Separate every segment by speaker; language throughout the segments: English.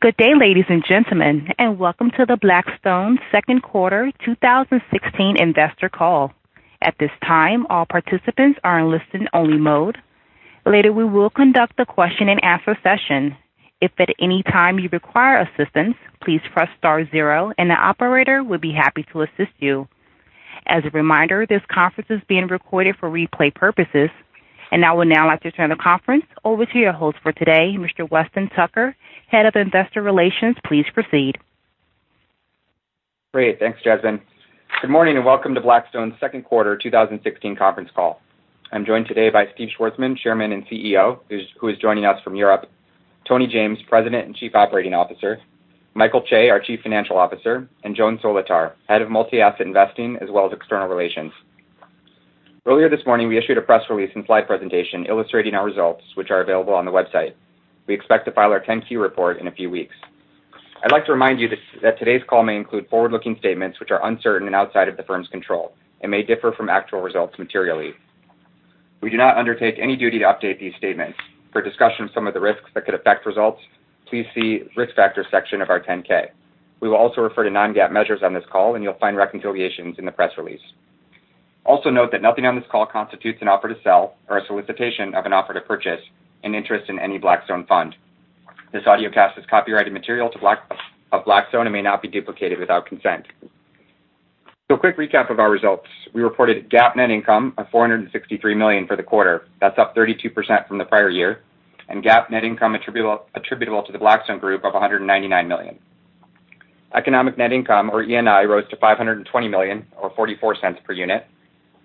Speaker 1: Good day, ladies and gentlemen, and welcome to the Blackstone second quarter 2016 investor call. At this time, all participants are in listen-only mode. Later, we will conduct a question and answer session. If at any time you require assistance, please press star zero and the operator will be happy to assist you. As a reminder, this conference is being recorded for replay purposes. I would now like to turn the conference over to your host for today, Mr. Weston Tucker, Head of Investor Relations. Please proceed.
Speaker 2: Great. Thanks, Jasmine. Good morning. Welcome to Blackstone's second quarter 2016 conference call. I'm joined today by Steve Schwarzman, Chairman and CEO, who is joining us from Europe; Tony James, President and Chief Operating Officer; Michael Chae, our Chief Financial Officer; and Joan Solotar, Head of Multi-Asset Investing, as well as External Relations. Earlier this morning, we issued a press release and slide presentation illustrating our results, which are available on the website. We expect to file our 10-Q report in a few weeks. I'd like to remind you that today's call may include forward-looking statements which are uncertain and outside of the firm's control and may differ from actual results materially. We do not undertake any duty to update these statements. For discussion of some of the risks that could affect results, please see Risk Factors section of our 10-K. We will also refer to non-GAAP measures on this call. You'll find reconciliations in the press release. Also note that nothing on this call constitutes an offer to sell or a solicitation of an offer to purchase an interest in any Blackstone fund. This audiocast is copyrighted material of Blackstone and may not be duplicated without consent. A quick recap of our results. We reported GAAP net income of $463 million for the quarter. That's up 32% from the prior year, and GAAP net income attributable to the Blackstone Group of $199 million. Economic net income, or ENI, rose to $520 million, or $0.44 per unit,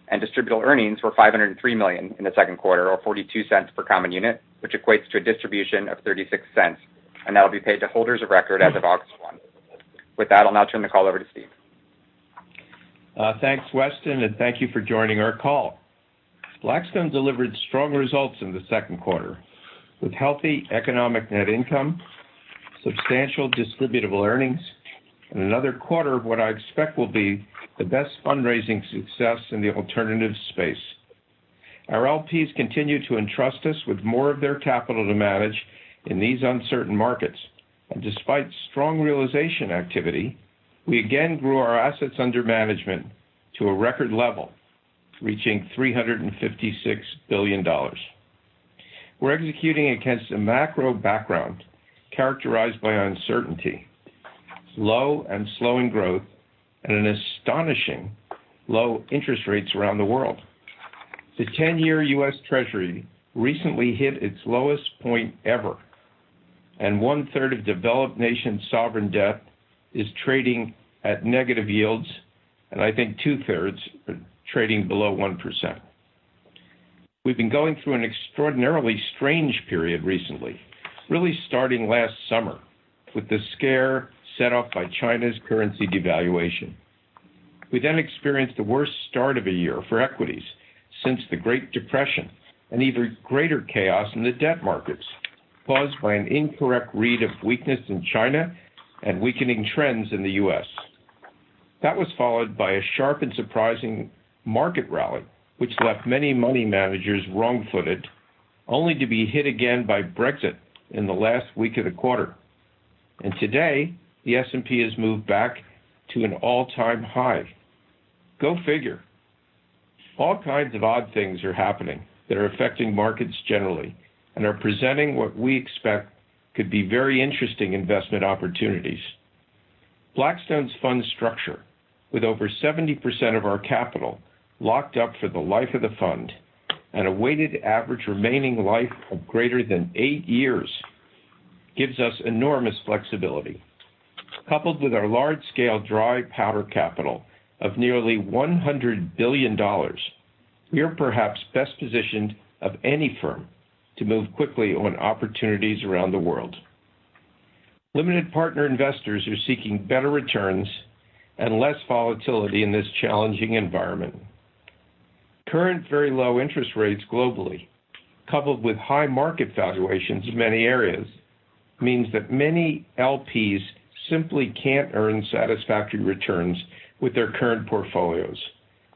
Speaker 2: and distributable earnings were $503 million in the second quarter, or $0.42 per common unit, which equates to a distribution of $0.36. That'll be paid to holders of record as of August 1. With that, I'll now turn the call over to Steve.
Speaker 3: Thanks, Weston, thank you for joining our call. Blackstone delivered strong results in the second quarter, with healthy economic net income, substantial distributable earnings, and another quarter of what I expect will be the best fundraising success in the alternative space. Our LPs continue to entrust us with more of their capital to manage in these uncertain markets. Despite strong realization activity, we again grew our assets under management to a record level, reaching $356 billion. We're executing against a macro background characterized by uncertainty, low and slowing growth, and astonishing low interest rates around the world. The 10-year US Treasury recently hit its lowest point ever, and one-third of developed nation sovereign debt is trading at negative yields, and I think two-thirds are trading below 1%. We've been going through an extraordinarily strange period recently, really starting last summer with the scare set off by China's currency devaluation. We experienced the worst start of a year for equities since the Great Depression, and even greater chaos in the debt markets caused by an incorrect read of weakness in China and weakening trends in the U.S. That was followed by a sharp and surprising market rally, which left many money managers wrong-footed, only to be hit again by Brexit in the last week of the quarter. Today, the S&P has moved back to an all-time high. Go figure. All kinds of odd things are happening that are affecting markets generally and are presenting what we expect could be very interesting investment opportunities. Blackstone's fund structure, with over 70% of our capital locked up for the life of the fund and a weighted average remaining life of greater than eight years, gives us enormous flexibility. Coupled with our large-scale dry powder capital of nearly $100 billion, we are perhaps best positioned of any firm to move quickly on opportunities around the world. Limited partner investors are seeking better returns and less volatility in this challenging environment. Current very low interest rates globally, coupled with high market valuations in many areas, means that many LPs simply can't earn satisfactory returns with their current portfolios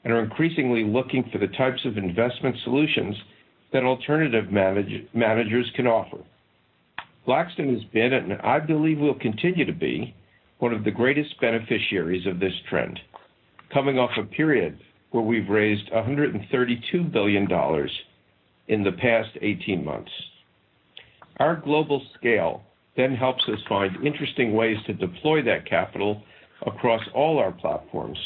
Speaker 3: and are increasingly looking for the types of investment solutions that alternative managers can offer. Blackstone has been, and I believe will continue to be, one of the greatest beneficiaries of this trend, coming off a period where we've raised $132 billion in the past 18 months. Our global scale helps us find interesting ways to deploy that capital across all our platforms.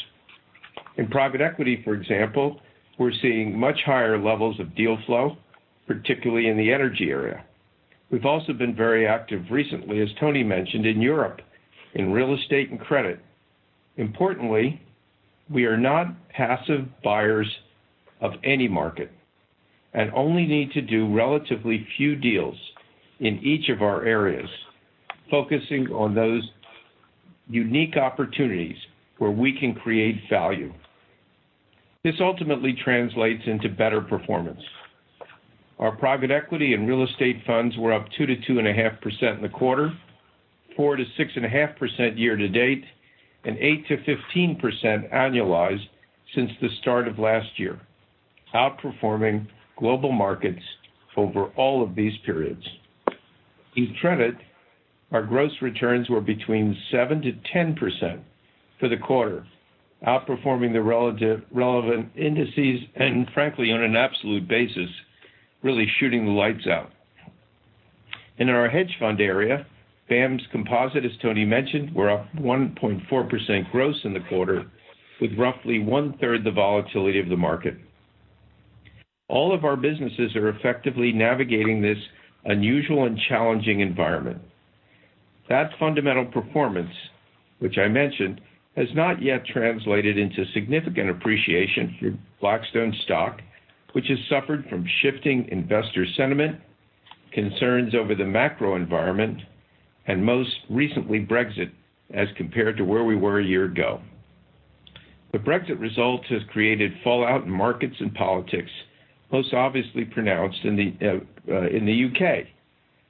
Speaker 3: In private equity, for example, we're seeing much higher levels of deal flow, particularly in the energy area. We've also been very active recently, as Tony mentioned, in Europe, in real estate and credit. Importantly, we are not passive buyers of any market and only need to do relatively few deals in each of our areas, focusing on those unique opportunities where we can create value. This ultimately translates into better performance. Our private equity and real estate funds were up 2%-2.5% in the quarter, 4%-6.5% year-to-date, and 8%-15% annualized since the start of last year, outperforming global markets over all of these periods. In credit, our gross returns were between 7%-10% for the quarter, outperforming the relevant indices, and frankly, on an absolute basis, really shooting the lights out. In our hedge fund area, BAAM's composite, as Tony mentioned, we're up 1.4% gross in the quarter, with roughly one-third the volatility of the market. All of our businesses are effectively navigating this unusual and challenging environment. That fundamental performance, which I mentioned, has not yet translated into significant appreciation for Blackstone stock, which has suffered from shifting investor sentiment, concerns over the macro environment, and most recently Brexit as compared to where we were a year ago. The Brexit result has created fallout in markets and politics, most obviously pronounced in the U.K.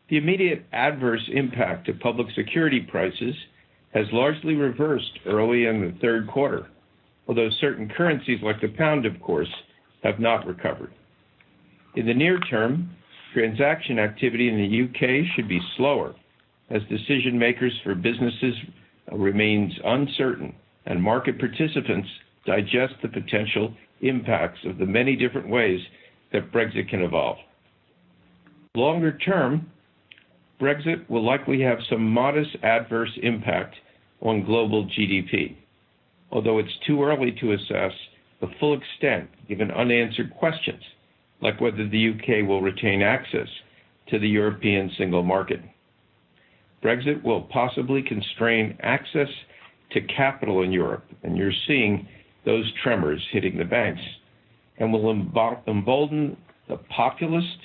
Speaker 3: The immediate adverse impact to public security prices has largely reversed early in the third quarter. Although certain currencies like the pound, of course, have not recovered. In the near term, transaction activity in the U.K. should be slower as decision makers for businesses remains uncertain and market participants digest the potential impacts of the many different ways that Brexit can evolve. Longer term, Brexit will likely have some modest adverse impact on global GDP. Although it's too early to assess the full extent, given unanswered questions like whether the U.K. will retain access to the European single market. Brexit will possibly constrain access to capital in Europe, and you're seeing those tremors hitting the banks. Will embolden the populist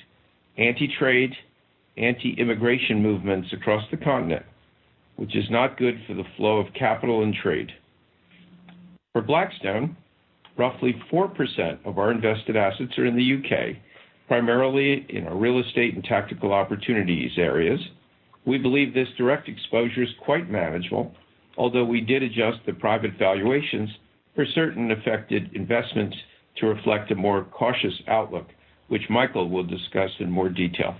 Speaker 3: anti-trade, anti-immigration movements across the continent, which is not good for the flow of capital and trade. For Blackstone, roughly 4% of our invested assets are in the U.K., primarily in our real estate and Tactical Opportunities areas. We believe this direct exposure is quite manageable. Although we did adjust the private valuations for certain affected investments to reflect a more cautious outlook, which Michael will discuss in more detail.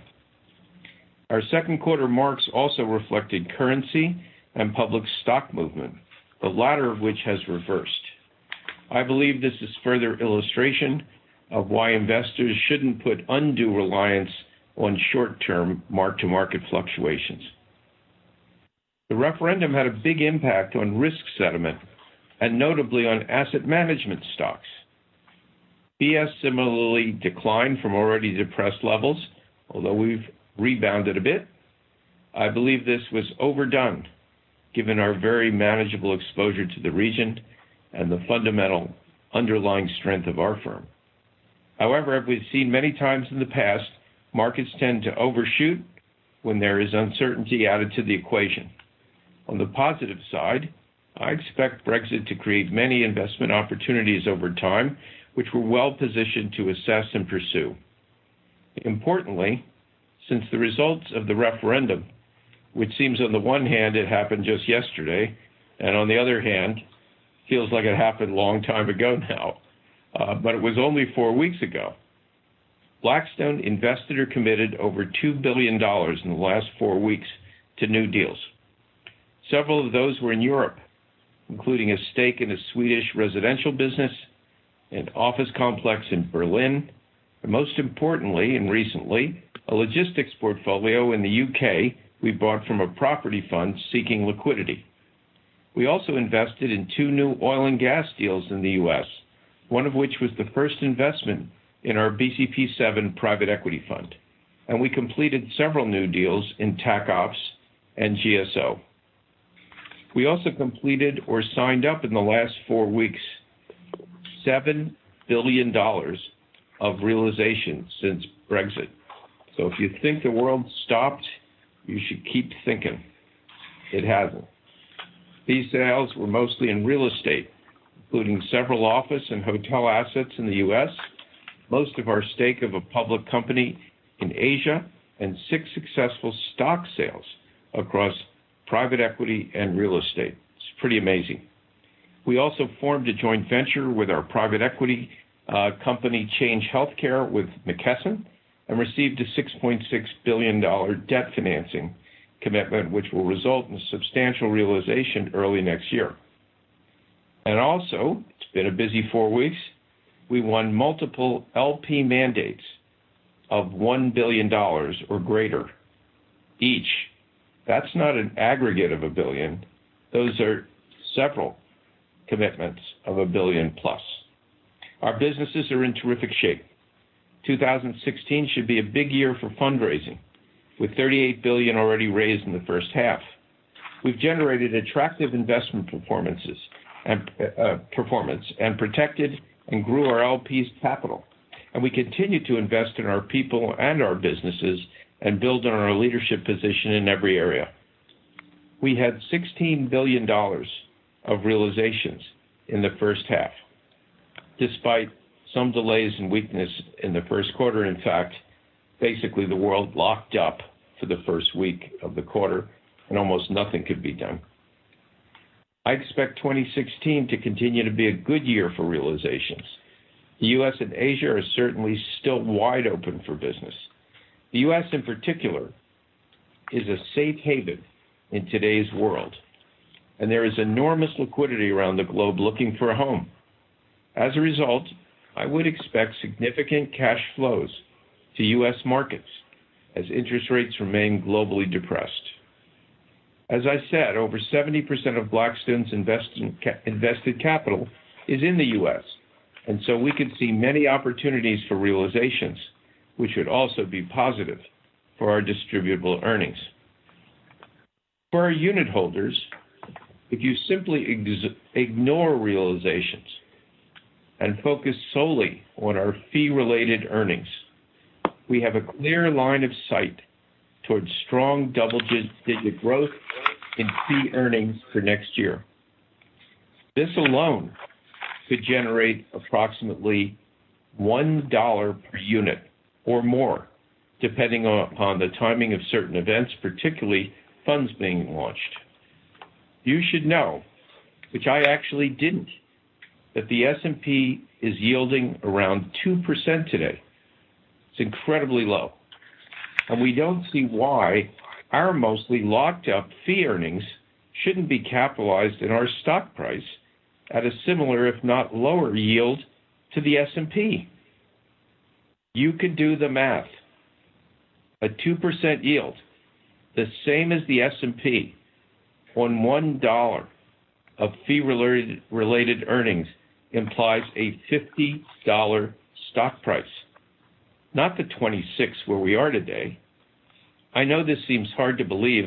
Speaker 3: Our second quarter marks also reflected currency and public stock movement, the latter of which has reversed. I believe this is further illustration of why investors shouldn't put undue reliance on short-term mark-to-market fluctuations. The referendum had a big impact on risk sentiment and notably on asset management stocks. BX similarly declined from already depressed levels, although we've rebounded a bit. I believe this was overdone given our very manageable exposure to the region and the fundamental underlying strength of our firm. As we've seen many times in the past, markets tend to overshoot when there is uncertainty added to the equation. On the positive side, I expect Brexit to create many investment opportunities over time, which we're well positioned to assess and pursue. Importantly, since the results of the referendum, which seems on the one hand it happened just yesterday, and on the other hand, feels like it happened a long time ago now. It was only four weeks ago. Blackstone invested or committed over $2 billion in the last four weeks to new deals. Several of those were in Europe, including a stake in a Swedish residential business, an office complex in Berlin, and most importantly and recently, a logistics portfolio in the U.K. we bought from a property fund seeking liquidity. We also invested in two new oil and gas deals in the U.S., one of which was the first investment in our BCP VII private equity fund, and we completed several new deals in Tac Opps and GSO. We also completed or signed up in the last four weeks, $7 billion of realization since Brexit. If you think the world stopped, you should keep thinking. It hasn't. These sales were mostly in real estate, including several office and hotel assets in the U.S., most of our stake of a public company in Asia, and six successful stock sales across private equity and real estate. It's pretty amazing. We also formed a joint venture with our private equity company, Change Healthcare with McKesson, and received a $6.6 billion debt financing commitment, which will result in substantial realization early next year. Also, it's been a busy four weeks. We won multiple LP mandates of $1 billion or greater each. That's not an aggregate of $1 billion. Those are several commitments of a $1 billion-plus. Our businesses are in terrific shape. 2016 should be a big year for fundraising, with $38 billion already raised in the first half. We've generated attractive investment performance, and protected and grew our LPs' capital. We continue to invest in our people and our businesses and build on our leadership position in every area. We had $16 billion of realizations in the first half. Despite some delays and weakness in the first quarter, in fact, basically the world locked up for the first week of the quarter and almost nothing could be done. I expect 2016 to continue to be a good year for realizations. The U.S. and Asia are certainly still wide open for business. The U.S., in particular, is a safe haven in today's world, and there is enormous liquidity around the globe looking for a home. As a result, I would expect significant cash flows to U.S. markets as interest rates remain globally depressed. As I said, over 70% of Blackstone's invested capital is in the U.S., we could see many opportunities for realizations which would also be positive for our distributable earnings. For our unitholders, if you simply ignore realizations and focus solely on our fee-related earnings, we have a clear line of sight towards strong double-digit growth in fee earnings for next year. This alone could generate approximately $1 per unit or more, depending upon the timing of certain events, particularly funds being launched. You should know, which I actually didn't, that the S&P is yielding around 2% today. It's incredibly low. We don't see why our mostly locked up fee earnings shouldn't be capitalized in our stock price at a similar, if not lower yield to the S&P. You could do the math. A 2% yield, the same as the S&P, on $1 of fee-related earnings implies a $50 stock price, not the $26 where we are today. I know this seems hard to believe,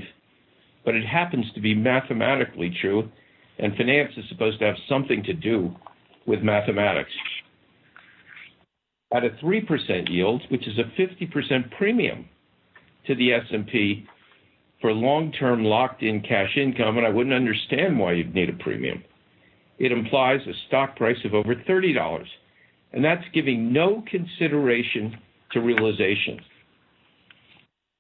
Speaker 3: but it happens to be mathematically true, finance is supposed to have something to do with mathematics. At a 3% yield, which is a 50% premium to the S&P for long-term locked in cash income, I wouldn't understand why you'd need a premium, it implies a stock price of over $30. That's giving no consideration to realizations,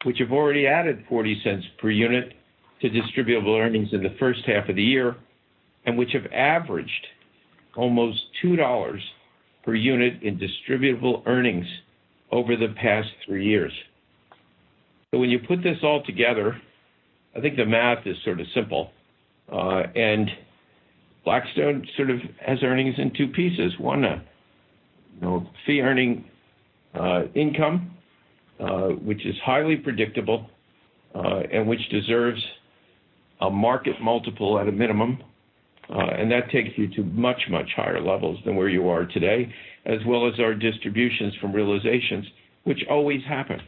Speaker 3: which have already added $0.40 per unit to distributable earnings in the first half of the year, which have averaged almost $2 per unit in distributable earnings over the past three years. When you put this all together, I think the math is sort of simple. Blackstone sort of has earnings in two pieces. One, fee earning income, which is highly predictable, which deserves a market multiple at a minimum. That takes you to much, much higher levels than where you are today, as well as our distributions from realizations, which always happen.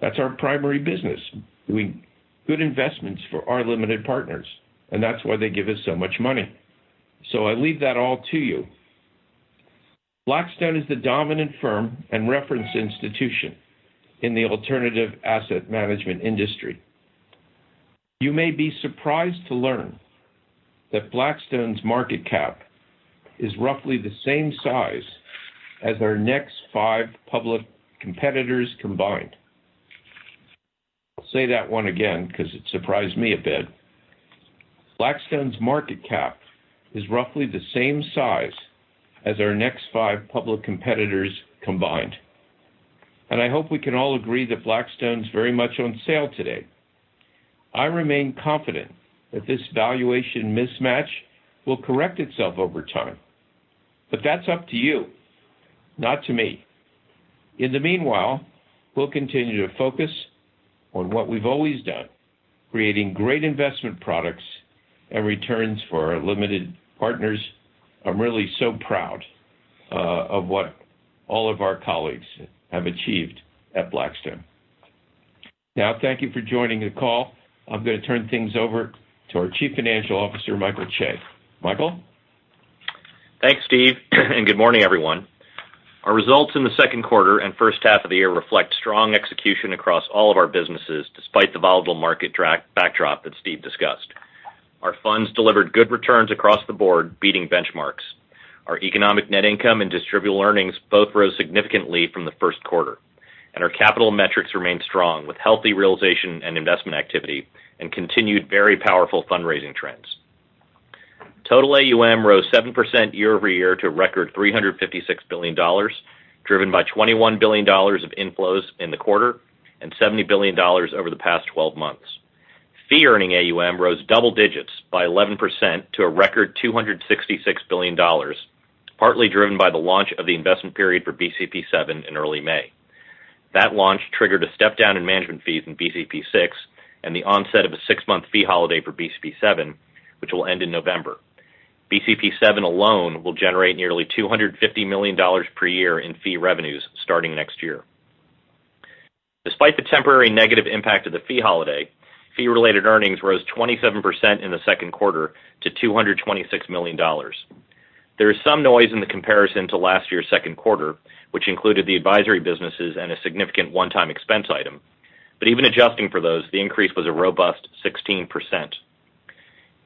Speaker 3: That's our primary business, doing good investments for our limited partners, that's why they give us so much money. I leave that all to you. Blackstone is the dominant firm and reference institution in the alternative asset management industry. You may be surprised to learn that Blackstone's market cap is roughly the same size as our next five public competitors combined. I'll say that one again because it surprised me a bit. Blackstone's market cap is roughly the same size as our next five public competitors combined. I hope we can all agree that Blackstone's very much on sale today. I remain confident that this valuation mismatch will correct itself over time. That's up to you, not to me. In the meanwhile, we'll continue to focus on what we've always done, creating great investment products and returns for our limited partners. I'm really so proud of what all of our colleagues have achieved at Blackstone. Now, thank you for joining the call. I'm going to turn things over to our Chief Financial Officer, Michael Chae. Michael?
Speaker 4: Thanks, Steve, and good morning, everyone. Our results in the second quarter and first half of the year reflect strong execution across all of our businesses, despite the volatile market backdrop that Steve discussed. Our funds delivered good returns across the board, beating benchmarks. Our economic net income and distributable earnings both rose significantly from the first quarter. Our capital metrics remained strong with healthy realization and investment activity, continued very powerful fundraising trends. Total AUM rose 7% year-over-year to a record $356 billion, driven by $21 billion of inflows in the quarter, $70 billion over the past 12 months. Fee earning AUM rose double digits by 11% to a record $266 billion, partly driven by the launch of the investment period for BCP VII in early May. That launch triggered a step down in management fees in BCP VI, and the onset of a six-month fee holiday for BCP VII, which will end in November. BCP VII alone will generate nearly $250 million per year in fee revenues starting next year. Despite the temporary negative impact of the fee holiday, fee-related earnings rose 27% in the second quarter to $226 million. There is some noise in the comparison to last year's second quarter, which included the advisory businesses and a significant one-time expense item. Even adjusting for those, the increase was a robust 16%.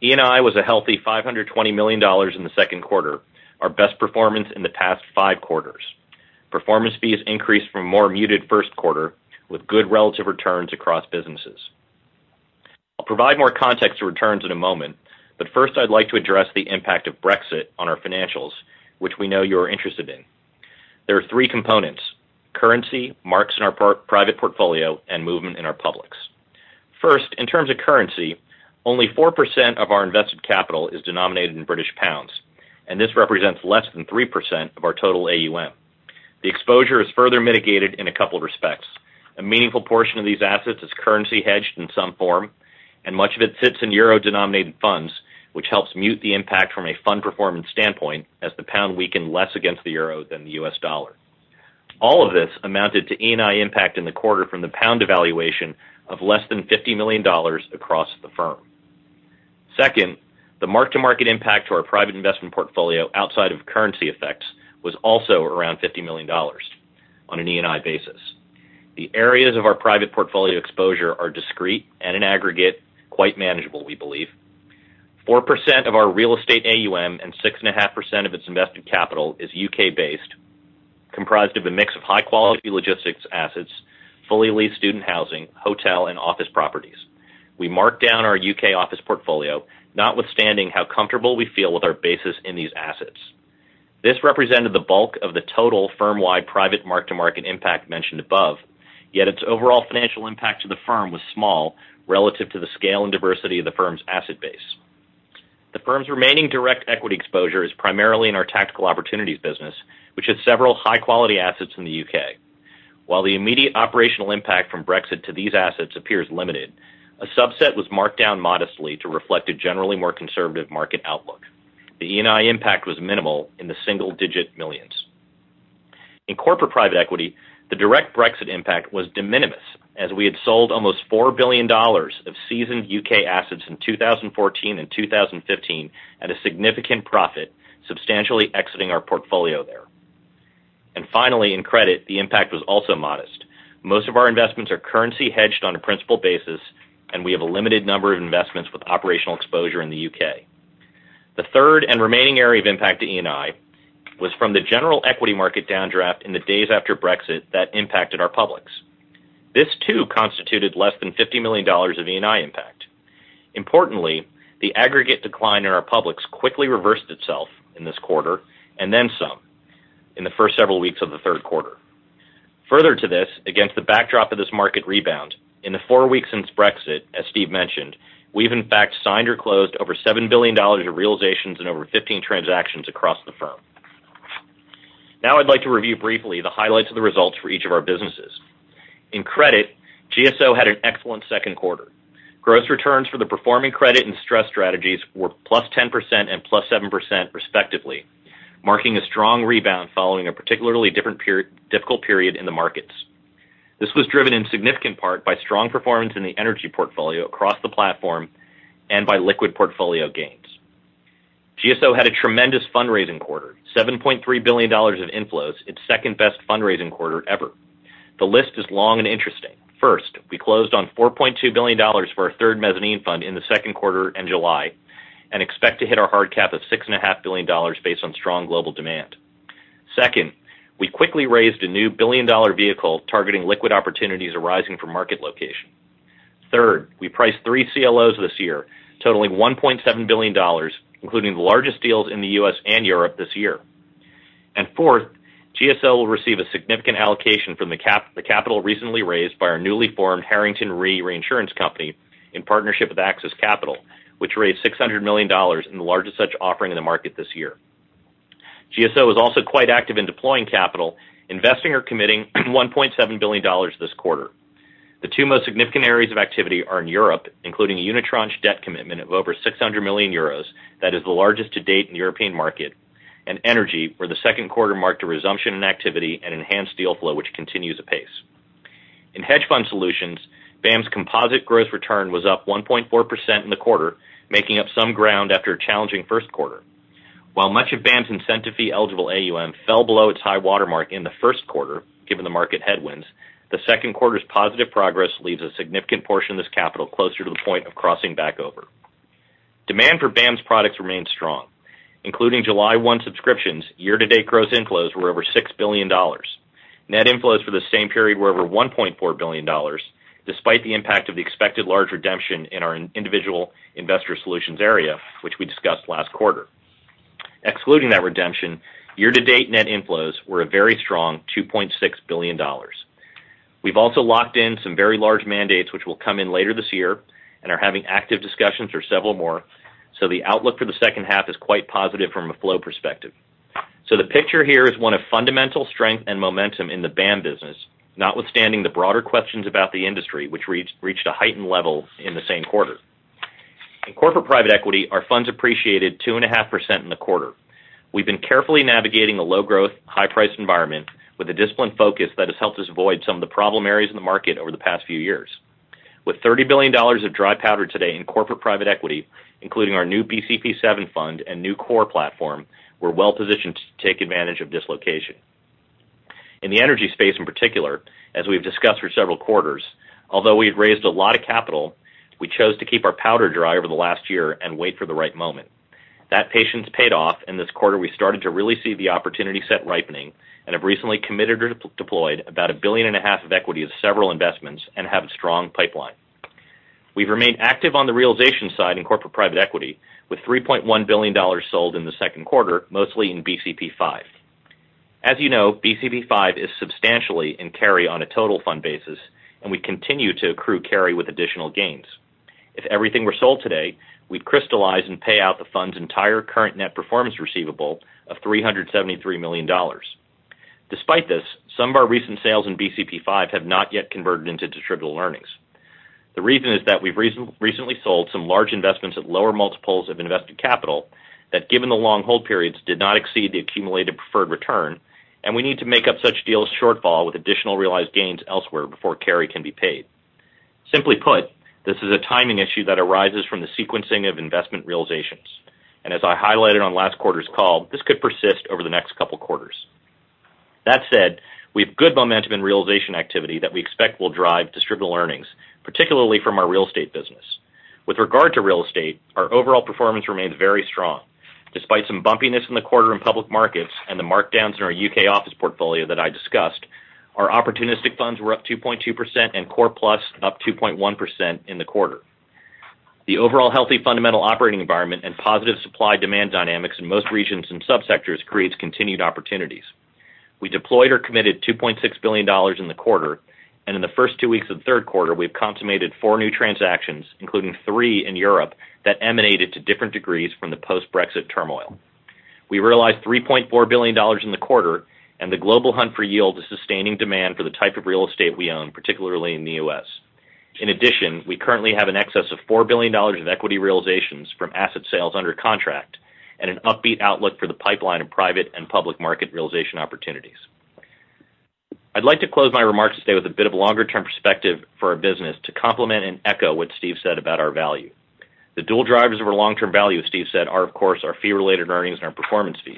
Speaker 4: ENI was a healthy $520 million in the second quarter, our best performance in the past five quarters. Performance fees increased from a more muted first quarter, with good relative returns across businesses. I'll provide more context to returns in a moment. First, I'd like to address the impact of Brexit on our financials, which we know you're interested in. There are three components: currency, marks in our private portfolio, and movement in our publics. First, in terms of currency, only 4% of our invested capital is denominated in British pounds, and this represents less than 3% of our total AUM. The exposure is further mitigated in a couple of respects. A meaningful portion of these assets is currency hedged in some form, and much of it sits in EUR-denominated funds, which helps mute the impact from a fund performance standpoint as the pound weakened less against the EUR than the U.S. dollar. All of this amounted to ENI impact in the quarter from the pound devaluation of less than $50 million across the firm. Second, the mark-to-market impact to our private investment portfolio outside of currency effects was also around $50 million on an ENI basis. The areas of our private portfolio exposure are discrete and in aggregate, quite manageable, we believe. 4% of our real estate AUM and 6.5% of its invested capital is U.K.-based, comprised of a mix of high-quality logistics assets, fully leased student housing, hotel, and office properties. We marked down our U.K. office portfolio, notwithstanding how comfortable we feel with our basis in these assets. This represented the bulk of the total firm-wide private mark-to-market impact mentioned above. Yet its overall financial impact to the firm was small relative to the scale and diversity of the firm's asset base. The firm's remaining direct equity exposure is primarily in our Tactical Opportunities business, which has several high-quality assets in the U.K. While the immediate operational impact from Brexit to these assets appears limited, a subset was marked down modestly to reflect a generally more conservative market outlook. The ENI impact was minimal in the single-digit millions. In corporate private equity, the direct Brexit impact was de minimis, as we had sold almost $4 billion of seasoned U.K. assets in 2014 and 2015 at a significant profit, substantially exiting our portfolio there. Finally, in credit, the impact was also modest. Most of our investments are currency hedged on a principal basis, and we have a limited number of investments with operational exposure in the U.K. The third and remaining area of impact to ENI was from the general equity market downdraft in the days after Brexit that impacted our publics. This too constituted less than $50 million of ENI impact. Importantly, the aggregate decline in our publics quickly reversed itself in this quarter, and then some in the first several weeks of the third quarter. Further to this, against the backdrop of this market rebound, in the four weeks since Brexit, as Steve mentioned, we've in fact signed or closed over $7 billion of realizations in over 15 transactions across the firm. I'd like to review briefly the highlights of the results for each of our businesses. In credit, GSO had an excellent second quarter. Gross returns for the performing credit and stress strategies were +10% and +7% respectively, marking a strong rebound following a particularly difficult period in the markets. This was driven in significant part by strong performance in the energy portfolio across the platform and by liquid portfolio gains. GSO had a tremendous fundraising quarter, $7.3 billion of inflows, its second-best fundraising quarter ever. The list is long and interesting. First, we closed on $4.2 billion for our third mezzanine fund in the second quarter and July, and expect to hit our hard cap of $6.5 billion based on strong global demand. Second, we quickly raised a new billion-dollar vehicle targeting liquid opportunities arising from market dislocation. Third, we priced three CLOs this year, totaling $1.7 billion, including the largest deals in the U.S. and Europe this year. Fourth, GSO will receive a significant allocation from the capital recently raised by our newly formed Harrington Reinsurance Company in partnership with AXIS Capital, which raised $600 million in the largest such offering in the market this year. GSO is also quite active in deploying capital, investing or committing $1.7 billion this quarter. The two most significant areas of activity are in Europe, including a unitranche debt commitment of over €600 million that is the largest to date in the European market, and energy, where the second quarter marked a resumption in activity and enhanced deal flow, which continues apace. In hedge fund solutions, BAAM's composite gross return was up 1.4% in the quarter, making up some ground after a challenging first quarter. While much of BAAM's incentive fee-eligible AUM fell below its high water mark in the first quarter, given the market headwinds, the second quarter's positive progress leaves a significant portion of this capital closer to the point of crossing back over. Demand for BAAM's products remained strong, including July 1 subscriptions, year-to-date gross inflows were over $6 billion. Net inflows for the same period were over $1.4 billion, despite the impact of the expected large redemption in our individual investor solutions area, which we discussed last quarter. Excluding that redemption, year-to-date net inflows were a very strong $2.6 billion. We've also locked in some very large mandates, which will come in later this year and are having active discussions for several more, so the outlook for the second half is quite positive from a flow perspective. The picture here is one of fundamental strength and momentum in the BAAM business, notwithstanding the broader questions about the industry, which reached a heightened level in the same quarter. In corporate private equity, our funds appreciated 2.5% in the quarter. We've been carefully navigating a low-growth, high-price environment with a disciplined focus that has helped us avoid some of the problem areas in the market over the past few years. With $30 billion of dry powder today in corporate private equity, including our new BCP VII fund and new core platform, we're well-positioned to take advantage of dislocation. In the energy space in particular, as we've discussed for several quarters, although we had raised a lot of capital, we chose to keep our powder dry over the last year and wait for the right moment. That patience paid off. This quarter we started to really see the opportunity set ripening and have recently committed or deployed about $1.5 billion of equity of several investments and have a strong pipeline. We've remained active on the realization side in corporate private equity with $3.1 billion sold in the second quarter, mostly in BCP V. As you know, BCP V is substantially in carry on a total fund basis. We continue to accrue carry with additional gains. If everything were sold today, we'd crystallize and pay out the fund's entire current net performance receivable of $373 million. Despite this, some of our recent sales in BCP V have not yet converted into distributable earnings. The reason is that we've recently sold some large investments at lower multiples of invested capital that, given the long hold periods, did not exceed the accumulated preferred return. We need to make up such deals' shortfall with additional realized gains elsewhere before carry can be paid. Simply put, this is a timing issue that arises from the sequencing of investment realizations, as I highlighted on last quarter's call, this could persist over the next couple of quarters. That said, we have good momentum in realization activity that we expect will drive distributable earnings, particularly from our real estate business. With regard to real estate, our overall performance remains very strong. Despite some bumpiness in the quarter in public markets and the markdowns in our U.K. office portfolio that I discussed, our opportunistic funds were up 2.2% and core plus up 2.1% in the quarter. The overall healthy fundamental operating environment and positive supply-demand dynamics in most regions and sub-sectors creates continued opportunities. We deployed or committed $2.6 billion in the quarter. In the first two weeks of the third quarter, we've consummated four new transactions, including three in Europe, that emanated to different degrees from the post-Brexit turmoil. We realized $3.4 billion in the quarter. The global hunt for yield is sustaining demand for the type of real estate we own, particularly in the U.S. In addition, we currently have an excess of $4 billion in equity realizations from asset sales under contract and an upbeat outlook for the pipeline of private and public market realization opportunities. I'd like to close my remarks today with a bit of a longer-term perspective for our business to complement and echo what Steve said about our value. The dual drivers of our long-term value, as Steve said, are, of course, our FRE and our performance fees.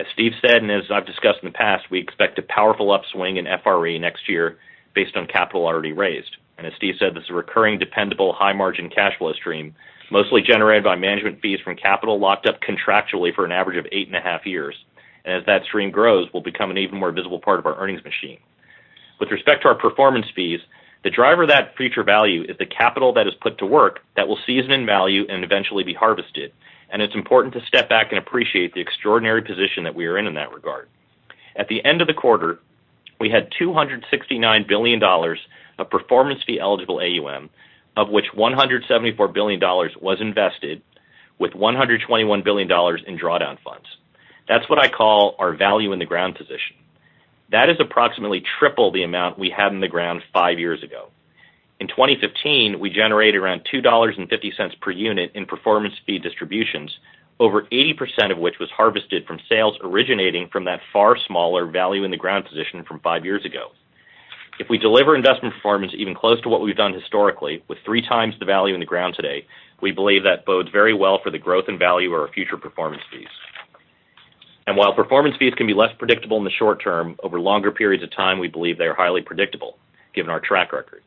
Speaker 4: As Steve said, as I've discussed in the past, we expect a powerful upswing in FRE next year based on capital already raised. As Steve said, this is a recurring, dependable, high-margin cash flow stream, mostly generated by management fees from capital locked up contractually for an average of eight and a half years. As that stream grows, we'll become an even more visible part of our earnings machine. With respect to our performance fees, the driver of that future value is the capital that is put to work that will season in value and eventually be harvested. It's important to step back and appreciate the extraordinary position that we are in in that regard. At the end of the quarter, we had $269 billion of performance fee eligible AUM, of which $174 billion was invested with $121 billion in drawdown funds. That's what I call our value in the ground position. That is approximately triple the amount we had in the ground five years ago. In 2015, we generated around $2.50 per unit in performance fee distributions, over 80% of which was harvested from sales originating from that far smaller value in the ground position from five years ago. If we deliver investment performance even close to what we've done historically with three times the value in the ground today, we believe that bodes very well for the growth and value of our future performance fees. While performance fees can be less predictable in the short term, over longer periods of time, we believe they are highly predictable given our track record.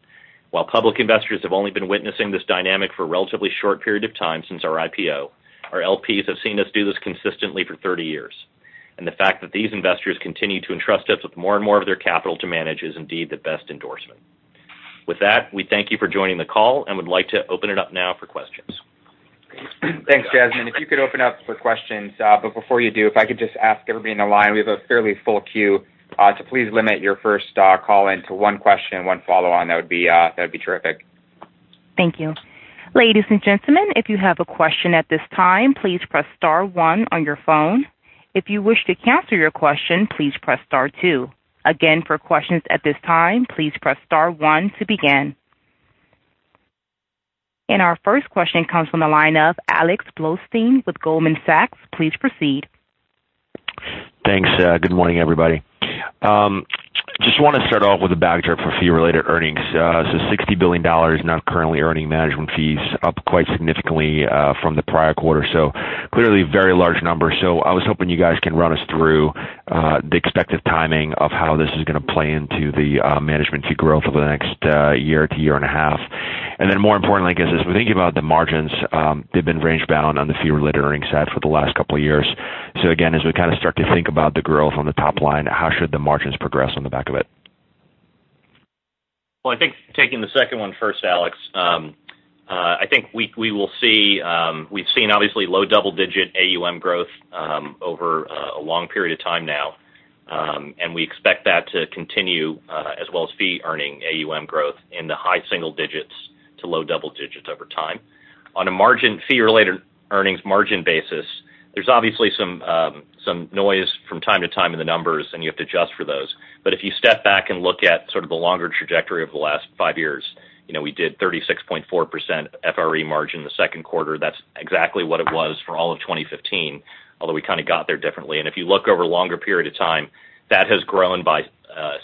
Speaker 4: While public investors have only been witnessing this dynamic for a relatively short period of time since our IPO, our LPs have seen us do this consistently for 30 years. The fact that these investors continue to entrust us with more and more of their capital to manage is indeed the best endorsement. With that, we thank you for joining the call and would like to open it up now for questions.
Speaker 2: Thanks, Jasmine. If you could open up for questions, but before you do, if I could just ask everybody on the line, we have a fairly full queue, to please limit your first call-in to one question, one follow-on. That would be terrific.
Speaker 1: Thank you. Ladies and gentlemen, if you have a question at this time, please press star one on your phone. If you wish to cancel your question, please press star two. Again, for questions at this time, please press star one to begin. Our first question comes from the line of Alex Blostein with Goldman Sachs. Please proceed.
Speaker 5: Thanks. Good morning, everybody. Just want to start off with a backdrop for fee-related earnings. $60 billion now currently earning management fees, up quite significantly from the prior quarter. Clearly a very large number. I was hoping you guys can run us through the expected timing of how this is going to play into the management fee growth over the next year to year and a half. More importantly, I guess, as we're thinking about the margins, they've been range-bound on the fee-related earnings side for the last couple of years. Again, as we start to think about the growth on the top line, how should the margins progress on the back of it?
Speaker 4: Well, I think taking the second one first, Alex, I think we've seen obviously low double-digit AUM growth over a long period of time now. We expect that to continue, as well as fee-earning AUM growth in the high single digits to low double digits over time. On a margin fee-related earnings margin basis, there's obviously some noise from time to time in the numbers, and you have to adjust for those. If you step back and look at sort of the longer trajectory of the last five years, we did 36.4% FRE margin in the second quarter. That's exactly what it was for all of 2015, although we kind of got there differently. If you look over a longer period of time, that has grown by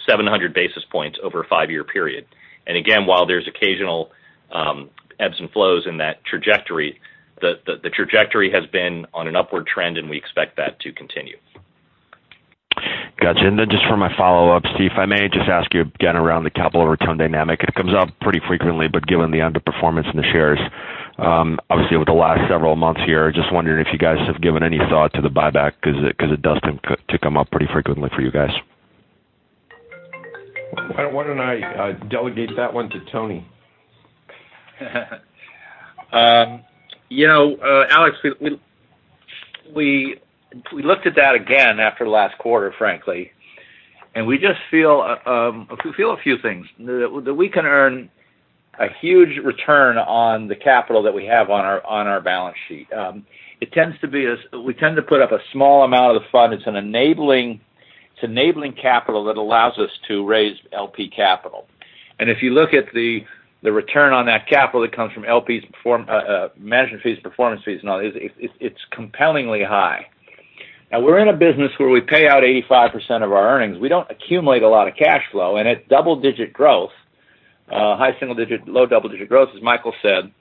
Speaker 4: 700 basis points over a five-year period. Again, while there's occasional ebbs and flows in that trajectory, the trajectory has been on an upward trend, and we expect that to continue.
Speaker 5: Got you. Just for my follow-up, Steve, if I may just ask you again around the capital return dynamic, it comes up pretty frequently, but given the underperformance in the shares, obviously with the last several months here, just wondering if you guys have given any thought to the buyback because it does tend to come up pretty frequently for you guys.
Speaker 3: Why don't I delegate that one to Tony?
Speaker 6: Alex, we looked at that again after last quarter, frankly. We feel a few things. That we can earn a huge return on the capital that we have on our balance sheet. We tend to put up a small amount of the fund. It's enabling capital that allows us to raise LP capital. If you look at the return on that capital that comes from LPs, management fees, performance fees and all, it's compellingly high. Now, we're in a business where we pay out 85% of our earnings. We don't accumulate a lot of cash flow, and at double-digit growth, high single digit, low double-digit growth, as Michael said,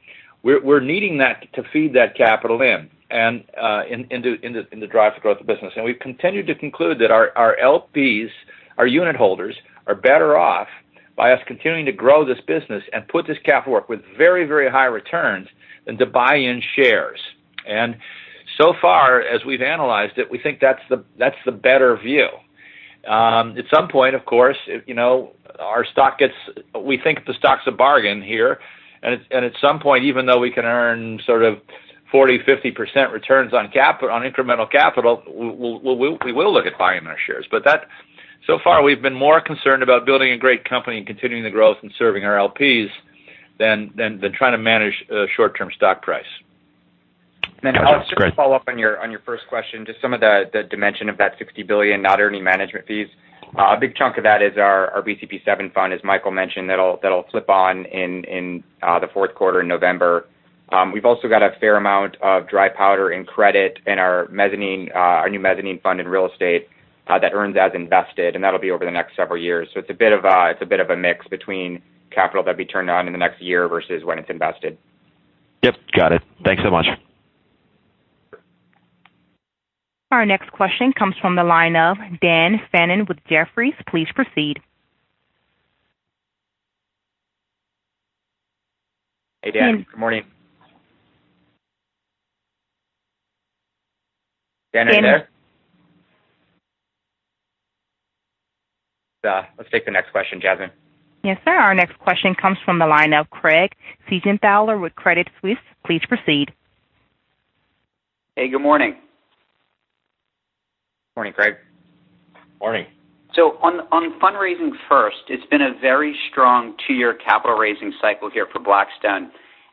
Speaker 6: we're needing that to feed that capital in, and in the drive to grow the business. We've continued to conclude that our LPs, our unit holders, are better off by us continuing to grow this business and put this capital to work with very, very high returns than to buy in shares. So far, as we've analyzed it, we think that's the better view. At some point, of course, we think the stock's a bargain here, and at some point, even though we can earn sort of 40%, 50% returns on incremental capital, we will look at buying our shares. So far, we've been more concerned about building a great company and continuing the growth and serving our LPs than trying to manage a short-term stock price.
Speaker 5: Great.
Speaker 4: Then Alex, just to follow up on your first question, just some of the dimension of that $60 billion not earning management fees. A big chunk of that is our BCP VII fund, as Michael mentioned, that'll flip on in the fourth quarter in November. We've also got a fair amount of dry powder in credit in our new mezzanine fund in real estate that earns as invested, and that'll be over the next several years. It's a bit of a mix between capital that'd be turned on in the next year versus when it's invested.
Speaker 5: Yep. Got it. Thanks so much.
Speaker 1: Our next question comes from the line of Dan Fannon with Jefferies. Please proceed.
Speaker 2: Hey, Dan. Good morning. Dan, are you there? Let's take the next question, Jasmine.
Speaker 1: Yes, sir. Our next question comes from the line of Craig Siegenthaler with Credit Suisse. Please proceed.
Speaker 7: Hey, good morning.
Speaker 4: Morning, Craig.
Speaker 3: Morning.
Speaker 7: On fundraising first, it's been a very strong 2-year capital raising cycle here for Blackstone,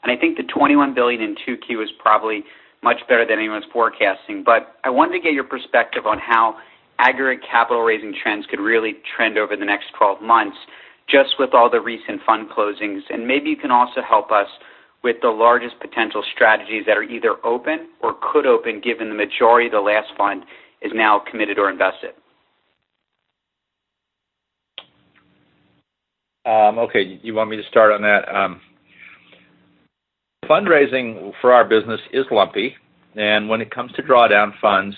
Speaker 7: I think the $21 billion in Q2 is probably much better than anyone's forecasting. I wanted to get your perspective on how aggregate capital raising trends could really trend over the next 12 months, just with all the recent fund closings. Maybe you can also help us with the largest potential strategies that are either open or could open, given the majority of the last fund is now committed or invested.
Speaker 6: Okay, you want me to start on that? Fundraising for our business is lumpy. When it comes to drawdown funds,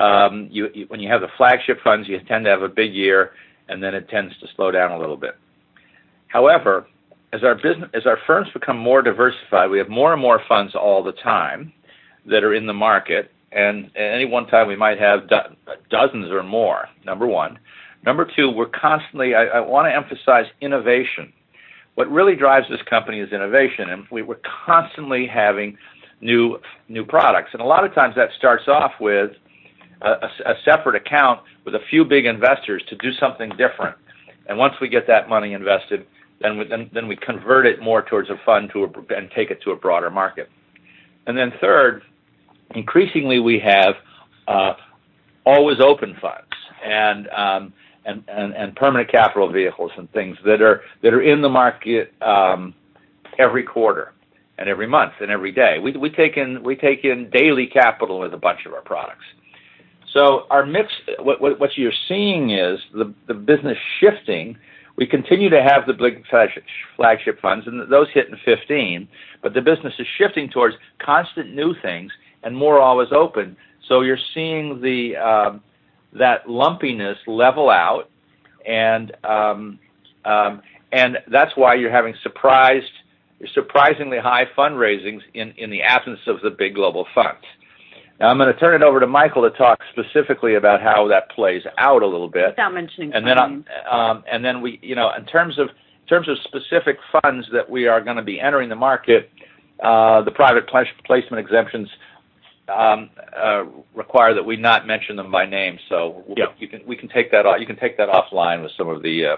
Speaker 6: when you have the flagship funds, you tend to have a big year, then it tends to slow down a little bit. However, as our firms become more diversified, we have more and more funds all the time that are in the market, at any one time, we might have dozens or more, number one. Number two, we're constantly, I want to emphasize innovation. What really drives this company is innovation, we're constantly having new products. A lot of times that starts off with a separate account with a few big investors to do something different. Once we get that money invested, we convert it more towards a fund and take it to a broader market. Third, increasingly, we have always open funds and permanent capital vehicles and things that are in the market every quarter and every month and every day. We take in daily capital with a bunch of our products. What you're seeing is the business shifting. We continue to have the big flagship funds, and those hit in 2015, the business is shifting towards constant new things and more always open. You're seeing that lumpiness level out, and that's why you're having surprisingly high fundraisings in the absence of the big global funds. I'm going to turn it over to Michael to talk specifically about how that plays out a little bit.
Speaker 8: Without mentioning funding.
Speaker 6: In terms of specific funds that we are going to be entering the market, the private placement exemptions require that we not mention them by name.
Speaker 4: Yep.
Speaker 6: You can take that offline with some of the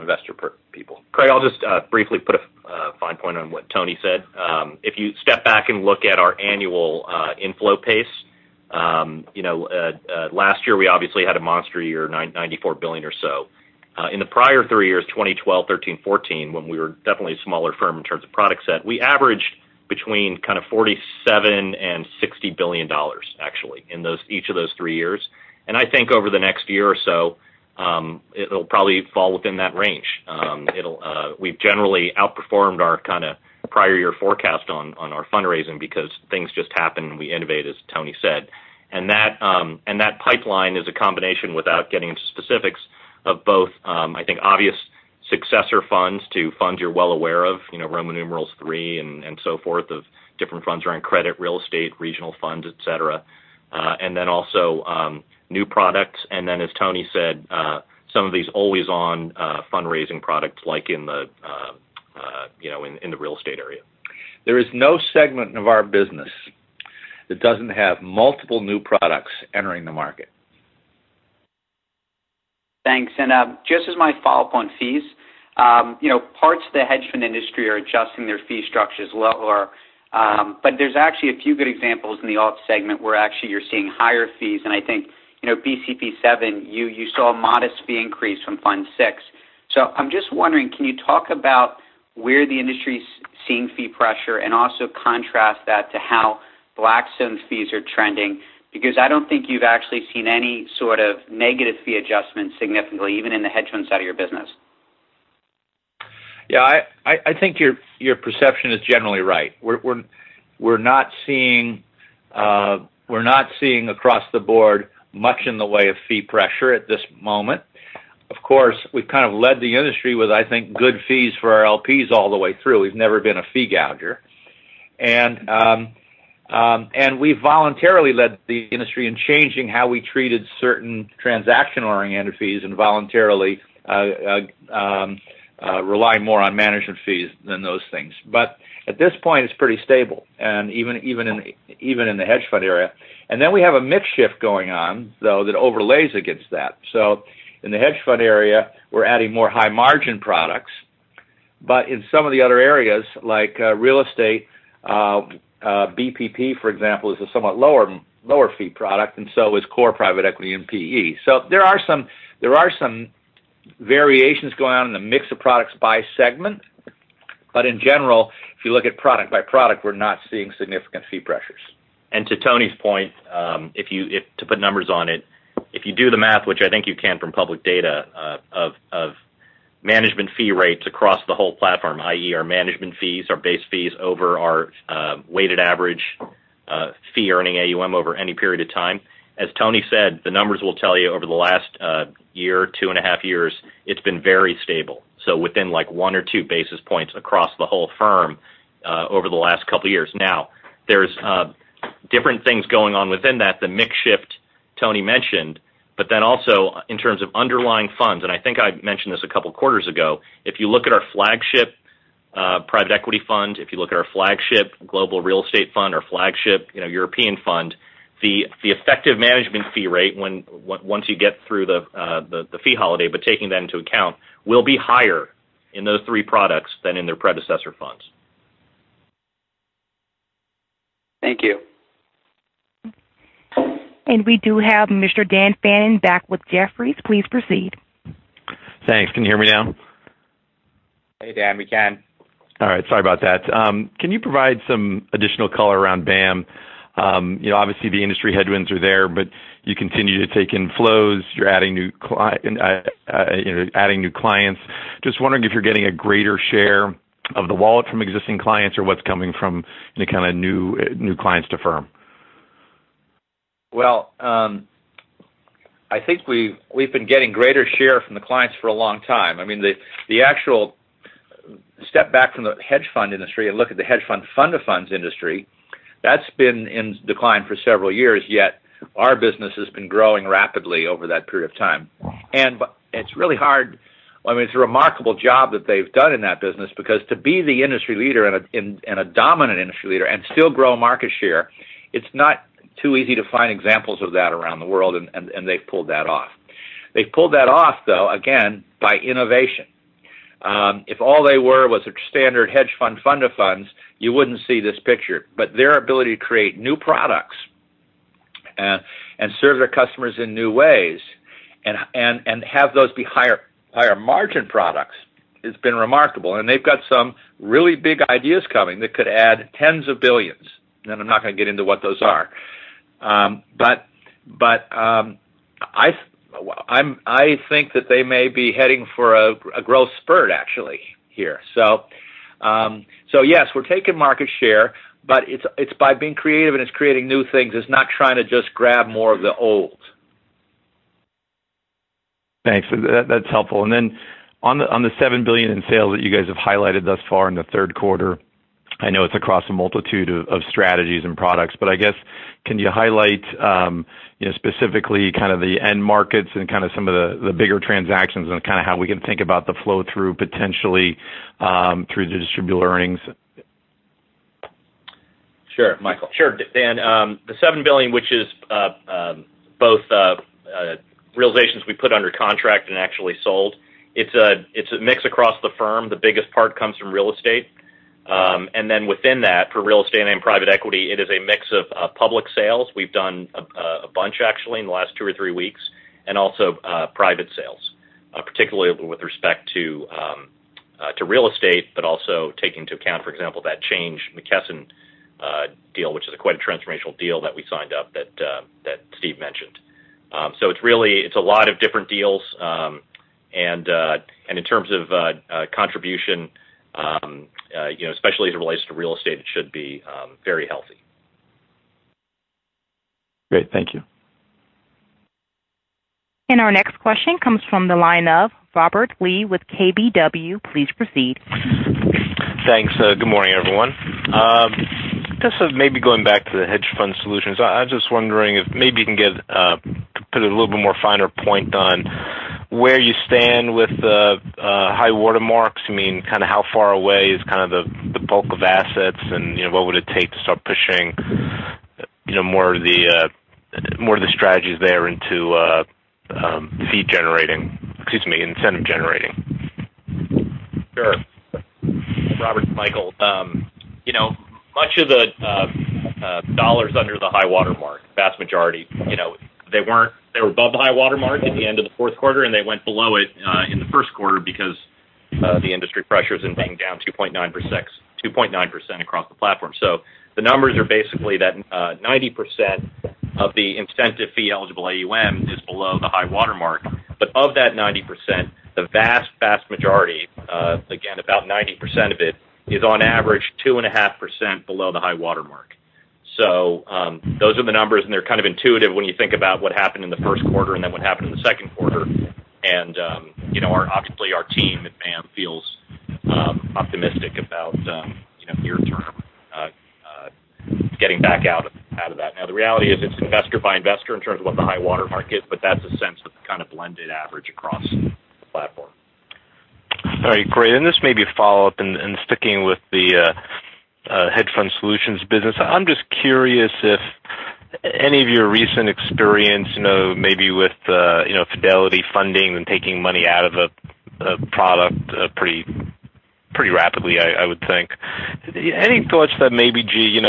Speaker 6: investor people.
Speaker 4: Craig, I'll just briefly put a fine point on what Tony said. If you step back and look at our annual inflow pace, last year we obviously had a monster year, $94 billion or so. In the prior three years, 2012, 2013, 2014, when we were definitely a smaller firm in terms of product set, we averaged between kind of $47 billion and $60 billion, actually, in each of those three years. I think over the next year or so, it'll probably fall within that range. We've generally outperformed our prior year forecast on our fundraising because things just happen, and we innovate, as Tony said. That pipeline is a combination, without getting into specifics, of both, I think, obvious successor funds to funds you're well aware of, Roman numerals III and so forth, of different funds around credit, real estate, regional funds, et cetera. Then also new products, and then, as Tony said, some of these always-on fundraising products like in the real estate area.
Speaker 6: There is no segment of our business that doesn't have multiple new products entering the market.
Speaker 7: Thanks. Just as my follow-up on fees, parts of the hedge fund industry are adjusting their fee structures lower. There's actually a few good examples in the alt segment where actually you're seeing higher fees. I think BCP VII, you saw a modest fee increase from Fund VI. I'm just wondering, can you talk about where the industry's seeing fee pressure and also contrast that to how Blackstone's fees are trending? Because I don't think you've actually seen any sort of negative fee adjustment significantly, even in the hedge fund side of your business.
Speaker 6: Yeah, I think your perception is generally right. We are not seeing across the board much in the way of fee pressure at this moment. Of course, we have kind of led the industry with, I think, good fees for our LPs all the way through. We have never been a fee gouger. We have voluntarily led the industry in changing how we treated certain transaction-oriented fees and voluntarily rely more on management fees than those things. At this point, it is pretty stable, and even in the hedge fund area. We have a mix shift going on, though, that overlays against that. In the hedge fund area, we are adding more high-margin products. In some of the other areas, like real estate, BPP, for example, is a somewhat lower fee product, and so is core private equity and PE. There are some variations going on in the mix of products by segment. In general, if you look at product by product, we are not seeing significant fee pressures.
Speaker 4: To Tony's point, to put numbers on it, if you do the math, which I think you can from public data, of management fee rates across the whole platform, i.e., our management fees, our base fees over our weighted average fee earning AUM over any period of time, as Tony said, the numbers will tell you over the last year, two and a half years, it has been very stable. Within one or two basis points across the whole firm over the last couple of years. There is different things going on within that, the mix shift Tony mentioned, also in terms of underlying funds, and I think I have mentioned this a couple quarters ago, if you look at our flagship private equity fund, if you look at our flagship global real estate fund, our flagship European fund, the effective management fee rate once you get through the fee holiday but taking that into account, will be higher in those three products than in their predecessor funds.
Speaker 7: Thank you.
Speaker 1: We do have Mr. Dan Fannon back with Jefferies. Please proceed.
Speaker 9: Thanks. Can you hear me now?
Speaker 6: Hey, Dan. We can.
Speaker 9: All right. Sorry about that. Can you provide some additional color around BAAM? Obviously the industry headwinds are there. You continue to take in flows. You're adding new clients. Just wondering if you're getting a greater share of the wallet from existing clients or what's coming from kind of new clients to firm.
Speaker 6: Well, I think we've been getting greater share from the clients for a long time. I mean, the actual step back from the hedge fund industry and look at the hedge fund fund of funds industry, that's been in decline for several years, yet our business has been growing rapidly over that period of time. It's really hard I mean, it's a remarkable job that they've done in that business because to be the industry leader and a dominant industry leader and still grow market share, it's not too easy to find examples of that around the world, and they've pulled that off. They've pulled that off, though, again, by innovation. If all they were was a standard hedge fund fund of funds, you wouldn't see this picture. Their ability to create new products and serve their customers in new ways and have those be higher margin products has been remarkable. They've got some really big ideas coming that could add tens of billions. I'm not going to get into what those are. I think that they may be heading for a growth spurt, actually, here. Yes, we're taking market share, but it's by being creative and it's creating new things. It's not trying to just grab more of the old.
Speaker 9: Thanks. That's helpful. On the $7 billion in sales that you guys have highlighted thus far in the third quarter, I know it's across a multitude of strategies and products, but I guess, can you highlight specifically kind of the end markets and kind of some of the bigger transactions and kind of how we can think about the flow-through potentially, through the distributed earnings?
Speaker 4: Sure.
Speaker 6: Michael.
Speaker 4: Sure, Dan. The $7 billion, which is both realizations we put under contract and actually sold, it's a mix across the firm. The biggest part comes from real estate. Within that, for real estate and in private equity, it is a mix of public sales. We've done a bunch, actually, in the last two or three weeks, and also private sales. Particularly with respect to real estate, but also take into account, for example, that Change McKesson deal, which is quite a transformational deal that we signed up that Steve mentioned. It's a lot of different deals. In terms of contribution, especially as it relates to real estate, it should be very healthy.
Speaker 9: Great. Thank you.
Speaker 1: Our next question comes from the line of Robert Lee with KBW. Please proceed.
Speaker 10: Thanks. Good morning, everyone. Just maybe going back to the hedge fund solutions. I was just wondering if maybe you can put a little bit more finer point on where you stand with the high water marks. I mean, how far away is the bulk of assets and what would it take to start pushing more of the strategies there into incentive generating?
Speaker 4: Sure. Robert, it's Michael. Much of the dollars under the high water mark, vast majority, they were above the high water mark at the end of the fourth quarter, and they went below it in the first quarter because the industry pressures and being down 2.9% across the platform. The numbers are basically that 90% of the incentive fee eligible AUM is below the high water mark. But of that 90%, the vast majority, again, about 90% of it, is on average 2.5% below the high water mark. Those are the numbers, and they're kind of intuitive when you think about what happened in the first quarter and then what happened in the second quarter. Obviously our team at BAAM feels optimistic about near-term getting back out of that. The reality is it's investor by investor in terms of what the high water mark is, but that's a sense of the kind of blended average across the platform.
Speaker 10: All right, great. This may be a follow-up and sticking with the hedge fund solutions business. I'm just curious if any of your recent experience maybe with Fidelity funding and taking money out of a product pretty rapidly, I would think. Any thoughts that maybe, gee,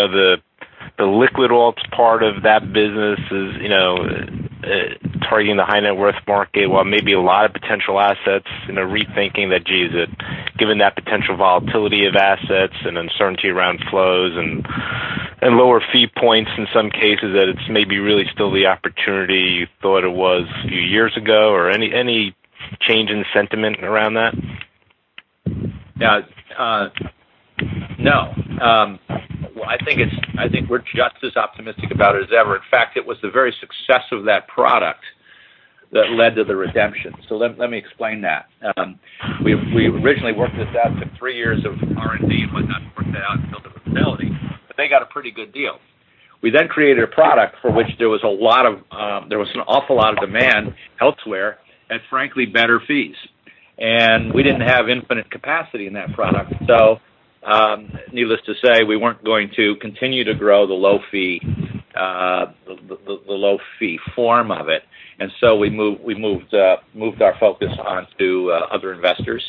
Speaker 10: the liquid alts part of that business is targeting the high net worth market? While maybe a lot of potential assets, rethinking that, gee, is it given that potential volatility of assets and uncertainty around flows and lower fee points in some cases, that it's maybe really still the opportunity you thought it was a few years ago? Any change in sentiment around that?
Speaker 4: No. I think we're just as optimistic about it as ever. In fact, it was the very success of that product that led to the redemption. Let me explain that. We originally worked with that for three years of R&D and whatnot to work that out and build up a facility, but they got a pretty good deal. We created a product for which there was an awful lot of demand elsewhere at frankly better fees. We didn't have infinite capacity in that product. Needless to say, we weren't going to continue to grow the low-fee form of it. We moved our focus onto other investors,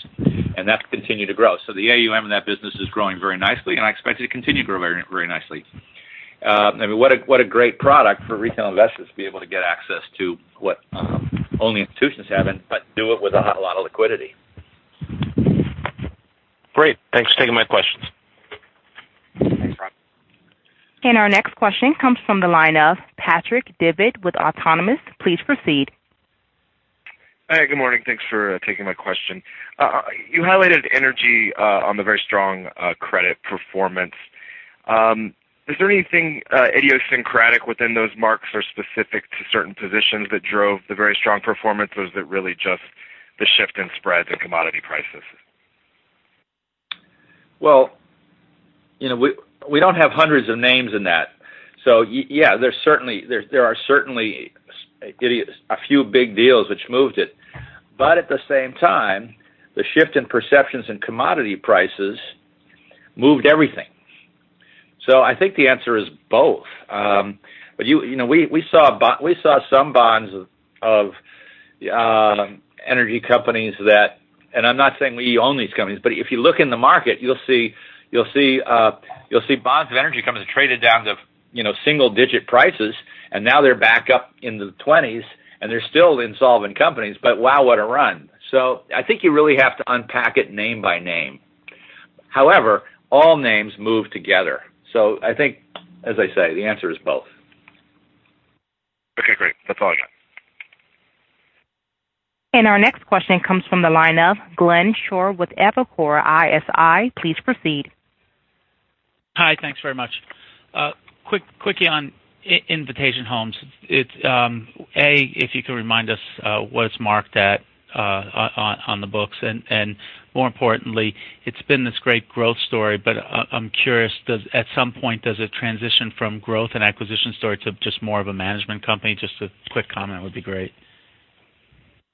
Speaker 4: and that's continued to grow. The AUM in that business is growing very nicely, and I expect it to continue to grow very nicely. I mean, what a great product for retail investors to be able to get access to what only institutions have, but do it with a lot of liquidity.
Speaker 10: Great. Thanks for taking my questions.
Speaker 4: Thanks, Robert.
Speaker 1: Our next question comes from the line of Patrick Davitt with Autonomous. Please proceed.
Speaker 11: Hi, good morning. Thanks for taking my question. You highlighted energy on the very strong credit performance. Is there anything idiosyncratic within those marks or specific to certain positions that drove the very strong performance, or is it really just the shift in spreads and commodity prices?
Speaker 4: Well, we don't have hundreds of names in that. Yeah, there are certainly a few big deals which moved it. At the same time, the shift in perceptions and commodity prices moved everything. I think the answer is both. We saw some bonds of energy companies that and I'm not saying we own these companies, but if you look in the market, you'll see bonds of energy companies traded down to single-digit prices, and now they're back up in the twenties, and they're still insolvent companies. Wow, what a run. I think you really have to unpack it name by name. However, all names move together. I think, as I say, the answer is both.
Speaker 11: Okay, great. That's all I got.
Speaker 1: Our next question comes from the line of Glenn Schorr with Evercore ISI. Please proceed.
Speaker 12: Hi, thanks very much. Quickie on Invitation Homes. If you could remind us what it's marked at on the books. More importantly, it's been this great growth story. I'm curious, at some point, does it transition from growth and acquisition story to just more of a management company? Just a quick comment would be great.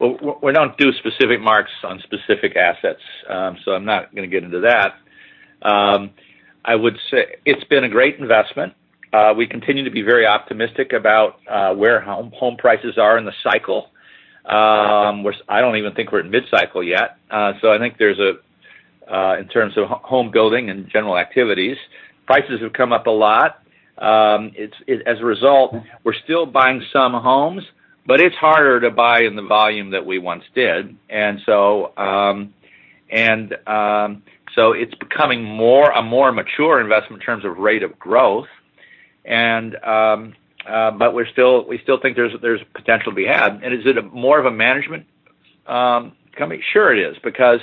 Speaker 4: We don't do specific marks on specific assets. I'm not going to get into that. It's been a great investment. We continue to be very optimistic about where home prices are in the cycle. I don't even think we're at mid-cycle yet.
Speaker 6: In terms of home building and general activities, prices have come up a lot. As a result, we're still buying some homes. It's harder to buy in the volume that we once did. It's becoming a more mature investment in terms of rate of growth. We still think there's potential to be had. Is it more of a management company? Sure it is, because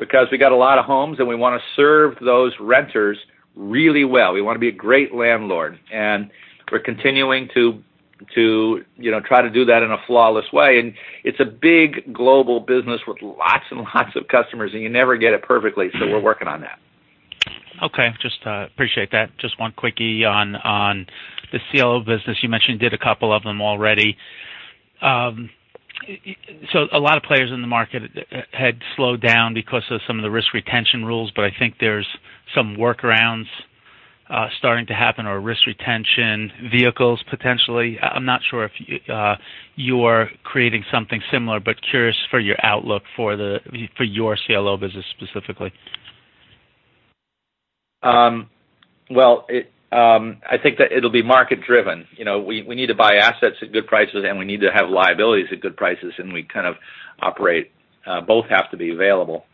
Speaker 6: we got a lot of homes, and we want to serve those renters really well. We want to be a great landlord, and we're continuing to try to do that in a flawless way. It's a big global business with lots and lots of customers, and you never get it perfectly. We're working on that.
Speaker 12: Okay. Just appreciate that. Just one quickie on the CLO business. You mentioned you did a couple of them already. A lot of players in the market had slowed down because of some of the risk retention rules. I think there's some workarounds starting to happen or risk retention vehicles potentially. I'm not sure if you are creating something similar. Curious for your outlook for your CLO business specifically.
Speaker 6: Well, I think that it'll be market driven. We need to buy assets at good prices, and we need to have liabilities at good prices, and we kind of operate, both have to be available.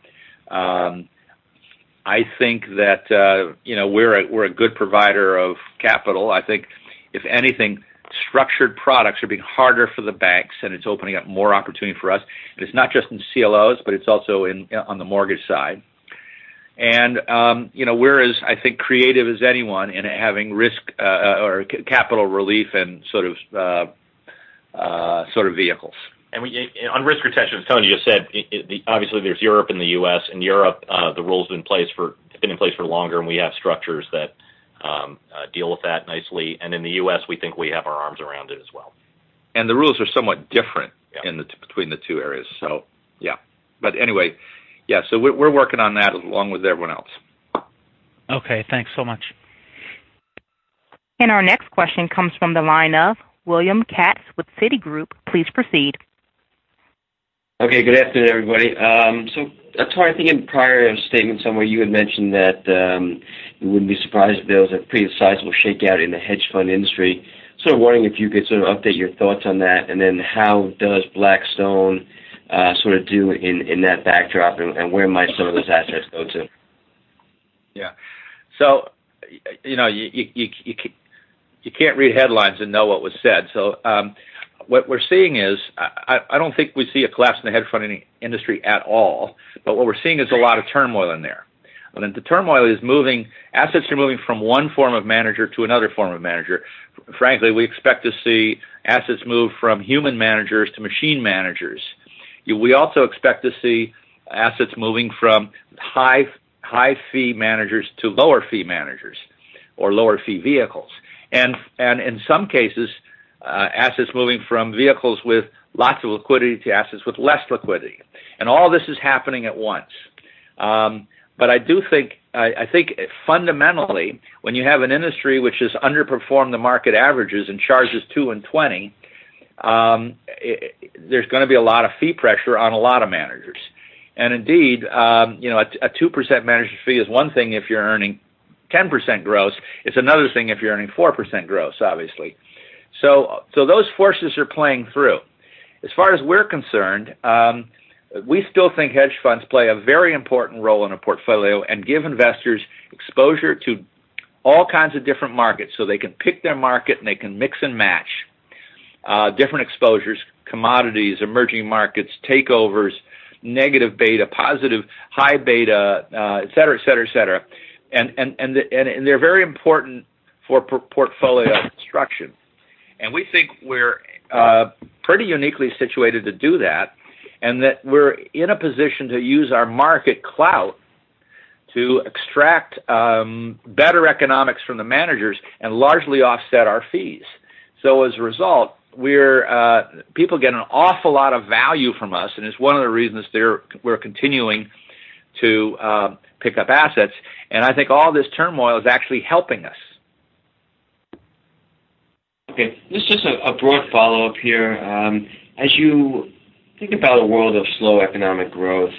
Speaker 6: I think that we're a good provider of capital. I think if anything, structured products are being harder for the banks, and it's opening up more opportunity for us. It's not just in CLOs, but it's also on the mortgage side. We're as, I think, creative as anyone in having risk or capital relief and sort of vehicles.
Speaker 4: On risk retention, as Tony just said, obviously, there's Europe and the U.S. In Europe, the rule's been in place for longer, and we have structures that deal with that nicely. In the U.S., we think we have our arms around it as well.
Speaker 6: The rules are somewhat different-
Speaker 4: Yeah
Speaker 6: between the two areas. Yeah. Anyway, yeah, we're working on that along with everyone else.
Speaker 12: Okay. Thanks so much.
Speaker 1: Our next question comes from the line of William Katz with Citigroup. Please proceed.
Speaker 13: Okay. Good afternoon, everybody. Tony, I think in prior statements somewhere you had mentioned that you wouldn't be surprised if there was a pretty sizable shakeout in the hedge fund industry. Sort of wondering if you could sort of update your thoughts on that, then how does Blackstone sort of do in that backdrop, and where might some of those assets go to?
Speaker 6: Yeah. You can't read headlines and know what was said. What we're seeing is, I don't think we see a collapse in the hedge fund industry at all. What we're seeing is a lot of turmoil in there. The turmoil is moving, assets are moving from one form of manager to another form of manager. Frankly, we expect to see assets move from human managers to machine managers. We also expect to see assets moving from high fee managers to lower fee managers or lower fee vehicles. In some cases, assets moving from vehicles with lots of liquidity to assets with less liquidity. All this is happening at once. I think fundamentally, when you have an industry which has underperformed the market averages and charges two and 20, there's going to be a lot of fee pressure on a lot of managers. Indeed, a 2% management fee is one thing if you're earning 10% gross. It's another thing if you're earning 4% gross, obviously. Those forces are playing through. As far as we're concerned, we still think hedge funds play a very important role in a portfolio and give investors exposure to all kinds of different markets so they can pick their market, and they can mix and match different exposures, commodities, emerging markets, takeovers, negative beta, positive, high beta, et cetera. They're very important for portfolio construction. We think we're pretty uniquely situated to do that, and that we're in a position to use our market clout to extract better economics from the managers and largely offset our fees. As a result, people get an awful lot of value from us, and it's one of the reasons we're continuing to pick up assets, and I think all this turmoil is actually helping us.
Speaker 13: Okay. Just a broad follow-up here. As you think about a world of slow economic growth,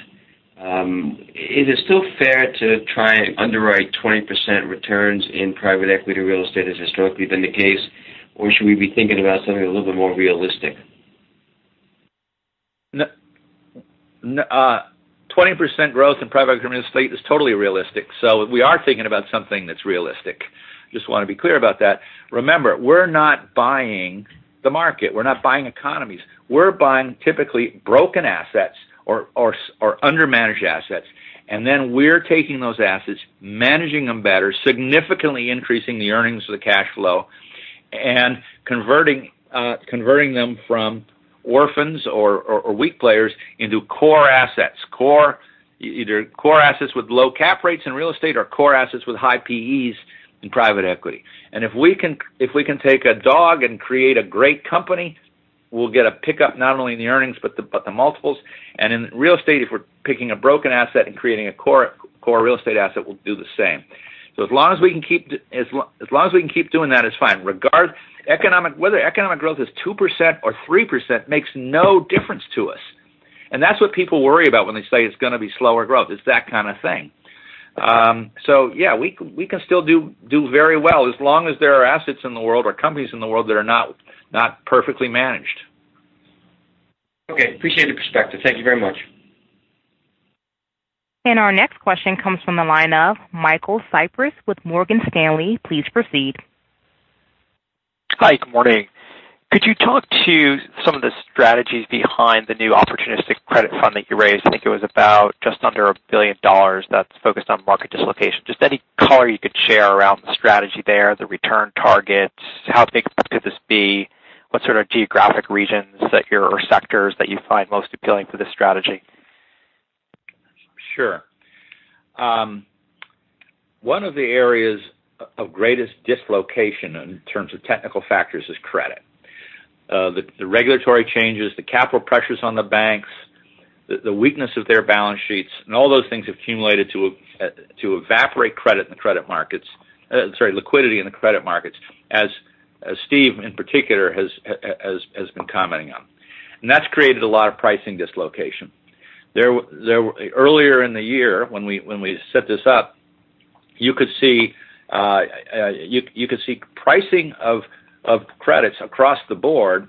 Speaker 13: is it still fair to try and underwrite 20% returns in private equity real estate as historically been the case? Or should we be thinking about something a little bit more realistic?
Speaker 6: 20% growth in private equity real estate is totally realistic. We are thinking about something that's realistic. Just want to be clear about that. Remember, we're not buying the market. We're not buying economies. We're buying typically broken assets or under-managed assets. Then we're taking those assets, managing them better, significantly increasing the earnings or the cash flow, and converting them from orphans or weak players into core assets. Either core assets with low cap rates in real estate or core assets with high PEs in private equity. If we can take a dog and create a great company, we'll get a pickup not only in the earnings, but the multiples. In real estate, if we're picking a broken asset and creating a core real estate asset, we'll do the same. As long as we can keep doing that, it's fine. Whether economic growth is 2% or 3% makes no difference to us. That's what people worry about when they say it's going to be slower growth. It's that kind of thing. Yeah, we can still do very well as long as there are assets in the world or companies in the world that are not perfectly managed.
Speaker 13: Okay. Appreciate the perspective. Thank you very much.
Speaker 1: Our next question comes from the line of Michael Cyprys with Morgan Stanley. Please proceed.
Speaker 14: Hi. Good morning. Could you talk to some of the strategies behind the new opportunistic credit fund that you raised? I think it was about just under $1 billion that's focused on market dislocation. Just any color you could share around the strategy there, the return targets, how big could this be, what sort of geographic regions or sectors that you find most appealing for this strategy?
Speaker 6: Sure. One of the areas of greatest dislocation in terms of technical factors is credit. The regulatory changes, the capital pressures on the banks, the weakness of their balance sheets, all those things have accumulated to evaporate credit in the credit markets. Sorry, liquidity in the credit markets, as Steve, in particular, has been commenting on. That's created a lot of pricing dislocation. Earlier in the year when we set this up, you could see pricing of credits across the board,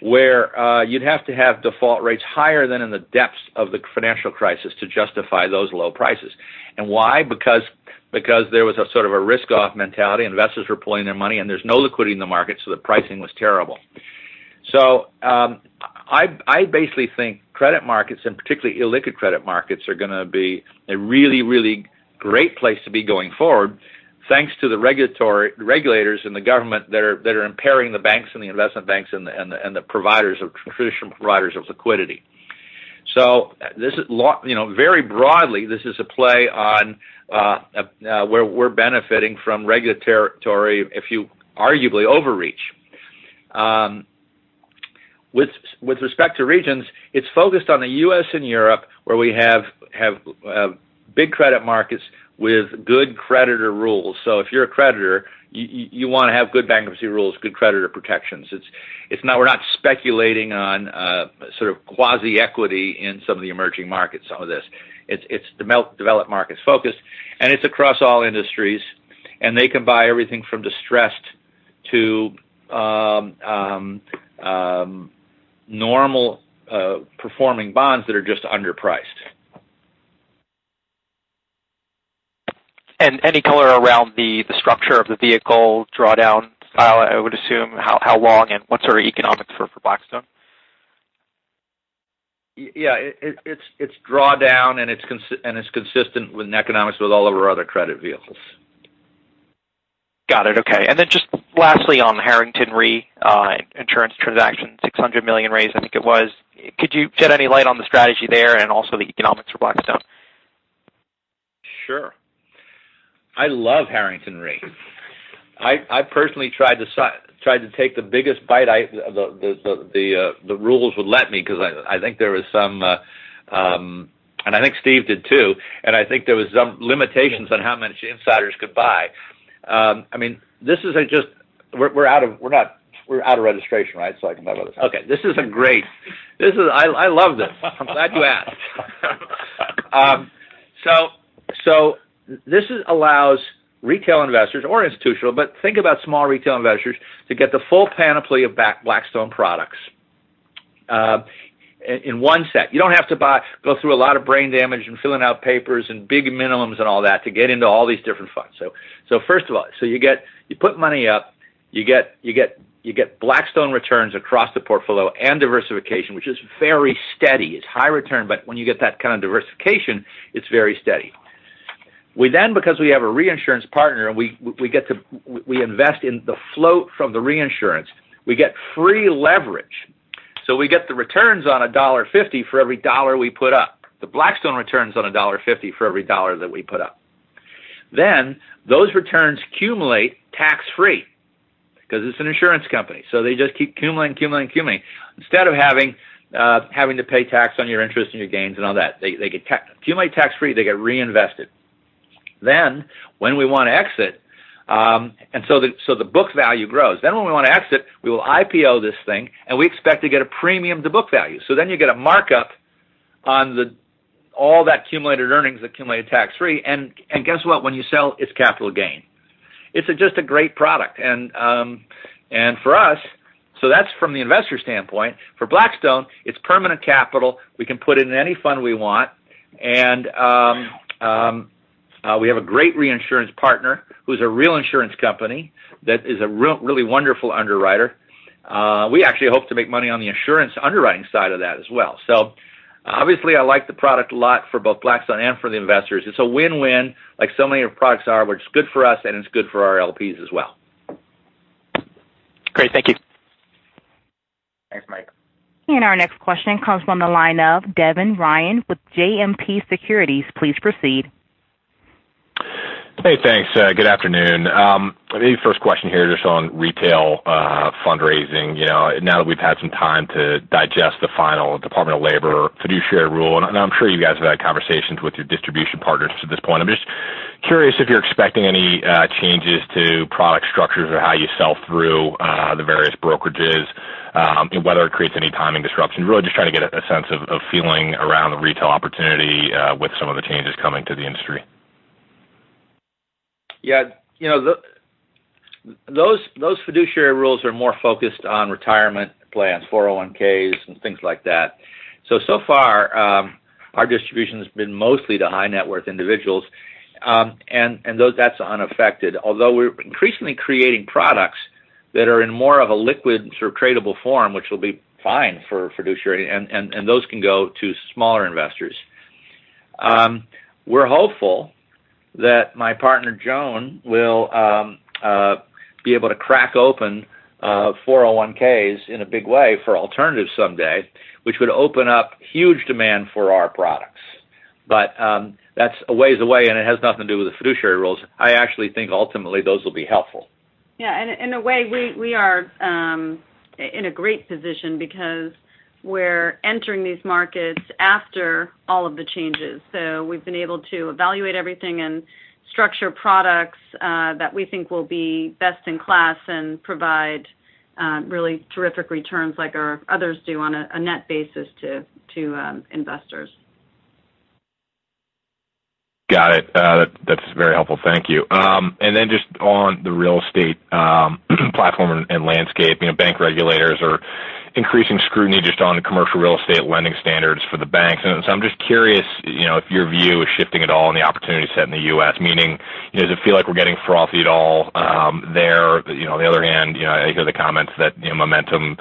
Speaker 6: where you'd have to have default rates higher than in the depths of the financial crisis to justify those low prices. Why? Because there was a sort of a risk-off mentality. Investors were pulling their money, there's no liquidity in the market, so the pricing was terrible. I basically think credit markets, and particularly illiquid credit markets, are going to be a really, really great place to be going forward, thanks to the regulators and the government that are impairing the banks and the investment banks and the traditional providers of liquidity. Very broadly, this is a play on where we're benefiting from regulatory, if you arguably overreach. With respect to regions, it's focused on the U.S. and Europe, where we have big credit markets with good creditor rules. If you're a creditor, you want to have good bankruptcy rules, good creditor protections. We're not speculating on sort of quasi equity in some of the emerging markets on this. It's developed markets focused, it's across all industries, and they can buy everything from distressed to normal performing bonds that are just underpriced.
Speaker 14: Any color around the structure of the vehicle drawdown style, I would assume, how long and what sort of economics for Blackstone?
Speaker 6: Yeah. It's drawdown, it's consistent with economics with all of our other credit vehicles.
Speaker 14: Got it. Okay. Lastly, on the Harrington Reinsurance transaction, $600 million raised, I think it was. Could you shed any light on the strategy there and also the economics for Blackstone?
Speaker 6: Sure. I love Harrington Re. I personally tried to take the biggest bite the rules would let me, because I think there was some I think Steve did too, and I think there was some limitations on how much insiders could buy. We're out of registration, right? I can talk about this. Okay. This is a great I love this. I'm glad you asked. This allows retail investors or institutional, but think about small retail investors to get the full panoply of Blackstone products in one set. You don't have to go through a lot of brain damage and filling out papers and big minimums and all that to get into all these different funds. You put money up, you get Blackstone returns across the portfolio and diversification, which is very steady. It's high return, but when you get that kind of diversification, it's very steady. We then, because we have a reinsurance partner, we invest in the float from the reinsurance. We get free leverage. We get the returns on $1.50 for every dollar we put up. The Blackstone returns on $1.50 for every dollar that we put up. Those returns accumulate tax-free because it's an insurance company, they just keep accumulating. Instead of having to pay tax on your interest and your gains and all that, they accumulate tax-free, they get reinvested. When we want to exit, the book value grows. When we want to exit, we will IPO this thing, and we expect to get a premium to book value. You get a markup on all that accumulated earnings that accumulate tax-free. Guess what? When you sell, it's capital gain. It's just a great product. That's from the investor standpoint. For Blackstone, it's permanent capital. We can put it in any fund we want. We have a great reinsurance partner who's a real insurance company that is a really wonderful underwriter. We actually hope to make money on the insurance underwriting side of that as well. Obviously I like the product a lot for both Blackstone and for the investors. It's a win-win, like so many of our products are, where it's good for us and it's good for our LPs as well.
Speaker 14: Great. Thank you.
Speaker 6: Thanks, Mike.
Speaker 1: Our next question comes from the line of Devin Ryan with JMP Securities. Please proceed.
Speaker 15: Hey, thanks. Good afternoon. Maybe first question here, just on retail fundraising. Now that we've had some time to digest the final Department of Labor fiduciary rule, and I'm sure you guys have had conversations with your distribution partners to this point, I'm curious if you're expecting any changes to product structures or how you sell through the various brokerages, and whether it creates any timing disruption. Really just trying to get a sense of feeling around the retail opportunity with some of the changes coming to the industry.
Speaker 6: Yeah. Those fiduciary rules are more focused on retirement plans, 401(k)s, and things like that. So far, our distribution has been mostly to high-net-worth individuals. That's unaffected, although we're increasingly creating products that are in more of a liquid, tradable form, which will be fine for fiduciary, and those can go to smaller investors. We're hopeful that my partner, Joan, will be able to crack open 401(k)s in a big way for alternatives someday, which would open up huge demand for our products. That's a ways away, and it has nothing to do with the fiduciary rules. I actually think ultimately those will be helpful.
Speaker 8: Yeah. In a way, we are in a great position because we're entering these markets after all of the changes. We've been able to evaluate everything and structure products that we think will be best in class and provide really terrific returns, like our others do on a net basis to investors.
Speaker 15: Got it. That's very helpful. Thank you. Then just on the real estate platform and landscape. Bank regulators are increasing scrutiny just on the commercial real estate lending standards for the banks. I'm just curious if your view is shifting at all in the opportunity set in the U.S. Meaning, does it feel like we're getting frothy at all there? On the other hand, I hear the comments that momentum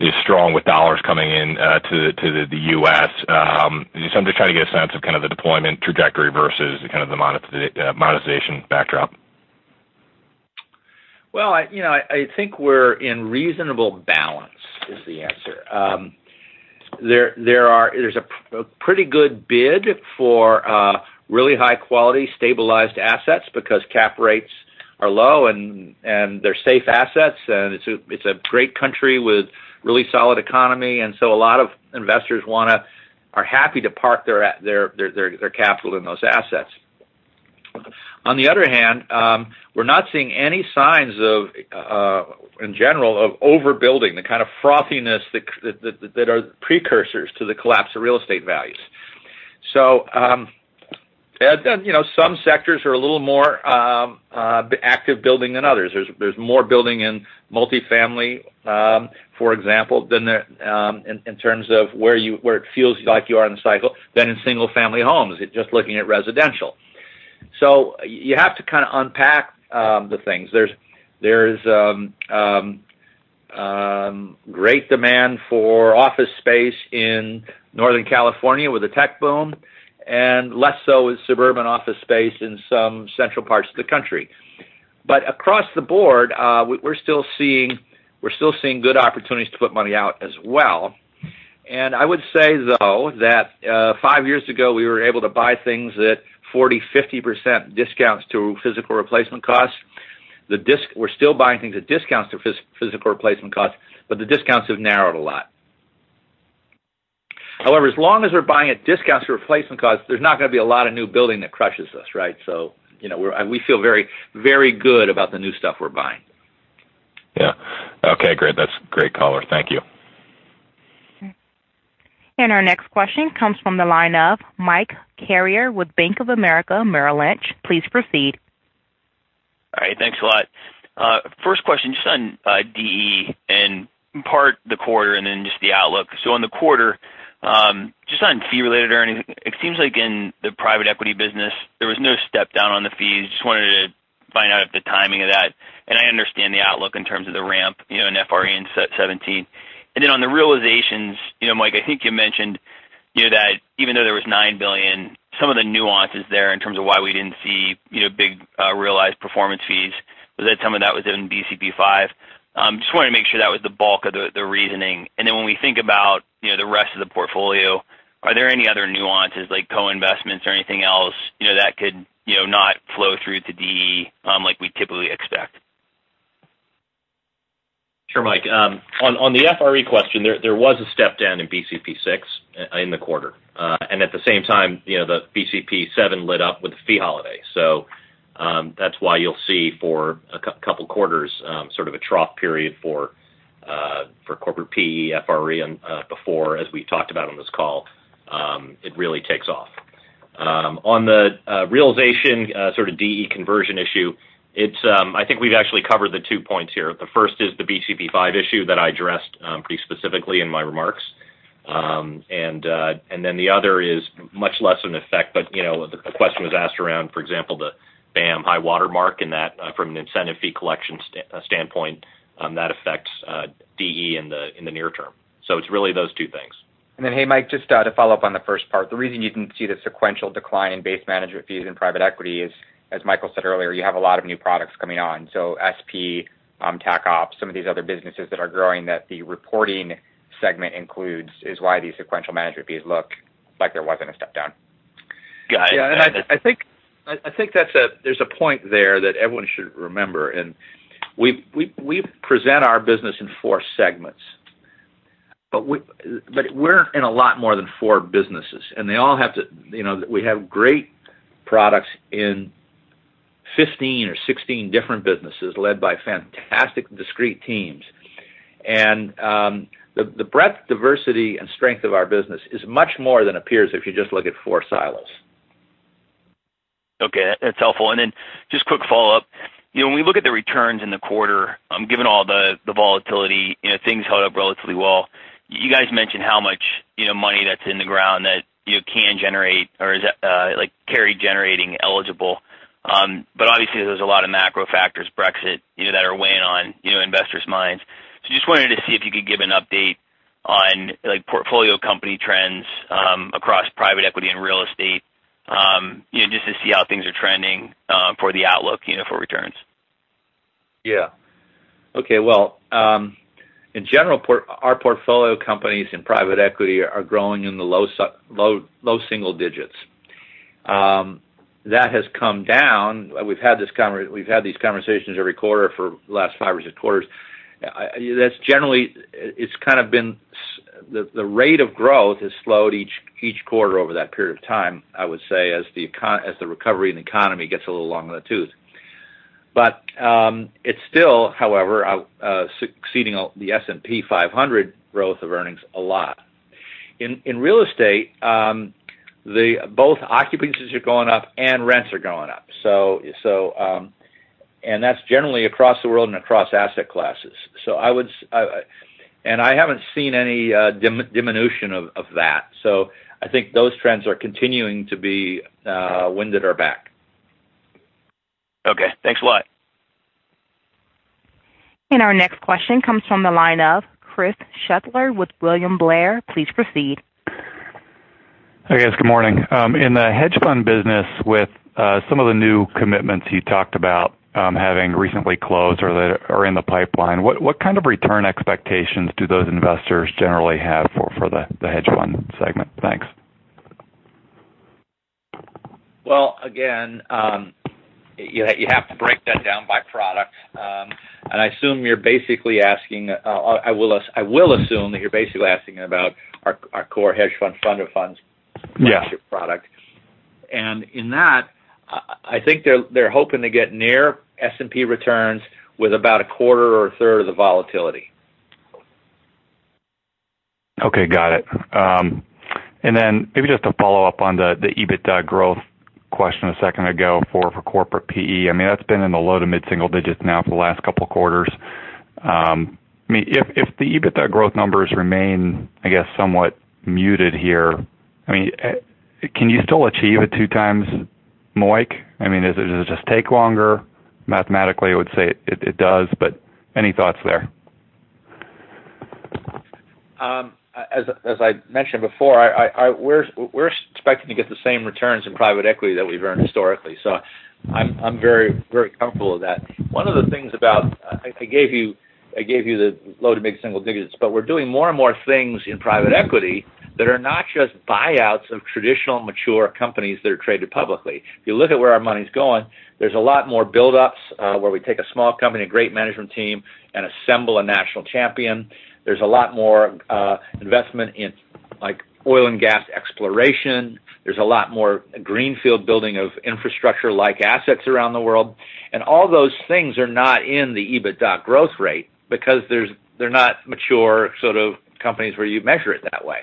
Speaker 15: is strong with dollars coming in to the U.S. I'm just trying to get a sense of kind of the deployment trajectory versus kind of the monetization backdrop.
Speaker 6: Well, I think we're in reasonable balance, is the answer. There's a pretty good bid for really high-quality, stabilized assets because cap rates are low, and they're safe assets, and it's a great country with really solid economy. A lot of investors are happy to park their capital in those assets. On the other hand, we're not seeing any signs, in general, of overbuilding, the kind of frothiness that are precursors to the collapse of real estate values. Some sectors are a little more active building than others. There's more building in multifamily, for example, in terms of where it feels like you are in the cycle, than in single-family homes, just looking at residential. You have to kind of unpack the things. There's great demand for office space in Northern California with the tech boom, and less so with suburban office space in some central parts of the country. Across the board, we're still seeing good opportunities to put money out as well. I would say, though, that 5 years ago, we were able to buy things at 40%, 50% discounts to physical replacement costs. We're still buying things at discounts to physical replacement costs, but the discounts have narrowed a lot. However, as long as we're buying at discounts to replacement costs, there's not going to be a lot of new building that crushes us, right? We feel very good about the new stuff we're buying.
Speaker 15: Yeah. Okay, great. That's great color. Thank you.
Speaker 1: Our next question comes from the line of Mike Carrier with Bank of America Merrill Lynch. Please proceed.
Speaker 16: All right. Thanks a lot. First question, just on DE and part the quarter, and then just the outlook. On the quarter, just on fee related earnings, it seems like in the private equity business, there was no step down on the fees. Just wanted to find out the timing of that. I understand the outlook in terms of the ramp in FRE in 2017. On the realizations, Mike, I think you mentioned that even though there was $9 billion, some of the nuances there in terms of why we didn't see big realized performance fees, was that some of that was in BCP V. Just wanted to make sure that was the bulk of the reasoning. When we think about the rest of the portfolio, are there any other nuances like co-investments or anything else that could not flow through to DE like we'd typically expect?
Speaker 4: Sure, Mike. On the FRE question, there was a step down in BCP VI in the quarter. At the same time, the BCP VII lit up with a fee holiday. That's why you'll see for a couple of quarters, sort of a trough period for corporate PE FRE. Before, as we talked about on this call, it really takes off. On the realization sort of DE conversion issue, I think we've actually covered the two points here. The first is the BCP V issue that I addressed pretty specifically in my remarks. The other is much less an effect, but the question was asked around, for example, the BAAM high water mark and that from an incentive fee collection standpoint, that affects DE in the near term. It's really those two things.
Speaker 2: Hey Mike, just to follow up on the first part. The reason you didn't see the sequential decline in base management fees in private equity is, as Michael said earlier, you have a lot of new products coming on. SP, TacOps, some of these other businesses that are growing that the reporting segment includes is why these sequential management fees look like there wasn't a step down.
Speaker 16: Got it.
Speaker 6: Yeah, I think there's a point there that everyone should remember, we present our business in four segments. We're in a lot more than four businesses. We have great products in 15 or 16 different businesses led by fantastic discrete teams. The breadth, diversity, and strength of our business is much more than appears if you just look at four silos.
Speaker 16: Okay. That's helpful. Just quick follow-up. When we look at the returns in the quarter, given all the volatility, things held up relatively well. You guys mentioned how much money that's in the ground that can generate or is carry generating eligible. Obviously there's a lot of macro factors, Brexit, that are weighing on investors' minds. Just wanted to see if you could give an update on portfolio company trends across private equity and real estate, just to see how things are trending for the outlook for returns.
Speaker 6: Yeah. Okay. Well, in general, our portfolio companies in private equity are growing in the low single digits. That has come down. We've had these conversations every quarter for the last five or six quarters. The rate of growth has slowed each quarter over that period of time, I would say, as the recovery in the economy gets a little long in the tooth. It's still, however, exceeding the S&P 500 growth of earnings a lot. In real estate, both occupancies are going up and rents are going up. That's generally across the world and across asset classes. I haven't seen any diminution of that. I think those trends are continuing to be wind at our back.
Speaker 16: Okay. Thanks a lot.
Speaker 1: Our next question comes from the line of Chris Shutler with William Blair. Please proceed.
Speaker 17: Hey, guys. Good morning. In the hedge fund business with some of the new commitments you talked about having recently closed or that are in the pipeline, what kind of return expectations do those investors generally have for the hedge fund segment? Thanks.
Speaker 6: Well, again, you have to break that down by product. I will assume that you're basically asking about our core hedge fund of funds partnership product.
Speaker 17: Yeah.
Speaker 6: In that, I think they're hoping to get near S&P returns with about a quarter or a third of the volatility.
Speaker 17: Okay. Got it. Maybe just to follow up on the EBITDA growth question a second ago for corporate PE. That's been in the low to mid-single digits now for the last couple of quarters. If the EBITDA growth numbers remain, I guess, somewhat muted here, can you still achieve a two times MOIC? Does it just take longer? Mathematically, I would say it does, but any thoughts there?
Speaker 6: As I mentioned before, we're expecting to get the same returns in private equity that we've earned historically. I'm very comfortable with that. I gave you the low to mid-single digits, but we're doing more and more things in private equity that are not just buyouts of traditional mature companies that are traded publicly. If you look at where our money's going, there's a lot more buildups, where we take a small company, a great management team, and assemble a national champion. There's a lot more investment in oil and gas exploration. There's a lot more greenfield building of infrastructure-like assets around the world. All those things are not in the EBITDA growth rate because they're not mature sort of companies where you measure it that way.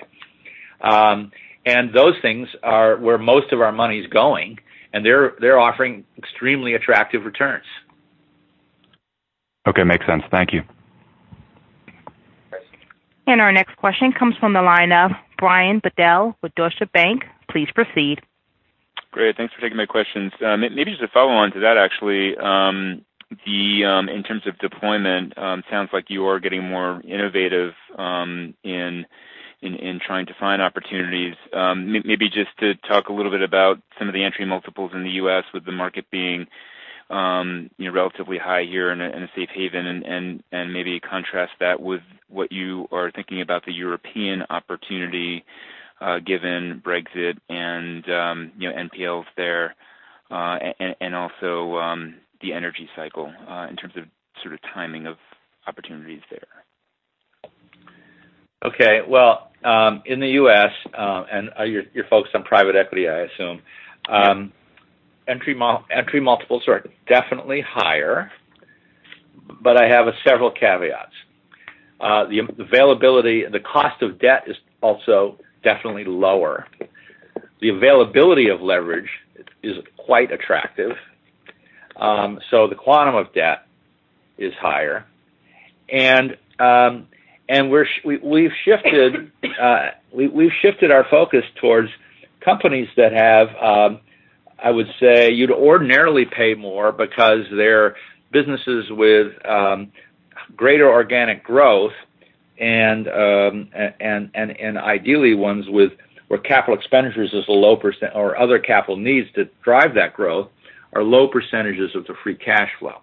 Speaker 6: Those things are where most of our money's going, and they're offering extremely attractive returns.
Speaker 17: Okay. Makes sense. Thank you.
Speaker 1: Our next question comes from the line of Brian Bedell with Deutsche Bank. Please proceed.
Speaker 18: Great. Thanks for taking my questions. Maybe just a follow-on to that, actually. In terms of deployment, sounds like you are getting more innovative in trying to find opportunities. Maybe just to talk a little bit about some of the entry multiples in the U.S. with the market being relatively high here and a safe haven, and maybe contrast that with what you are thinking about the European opportunity, given Brexit and NPLs there, and also the energy cycle, in terms of sort of timing of opportunities there.
Speaker 6: Okay. Well, in the U.S., you're focused on private equity, I assume.
Speaker 18: Yes.
Speaker 6: Entry multiples are definitely higher, I have several caveats. The cost of debt is also definitely lower. The availability of leverage is quite attractive. The quantum of debt is higher. We've shifted our focus towards companies that have, I would say, you'd ordinarily pay more because they're businesses with greater organic growth, and ideally ones where capital expenditures or other capital needs to drive that growth are low percentages of the free cash flow.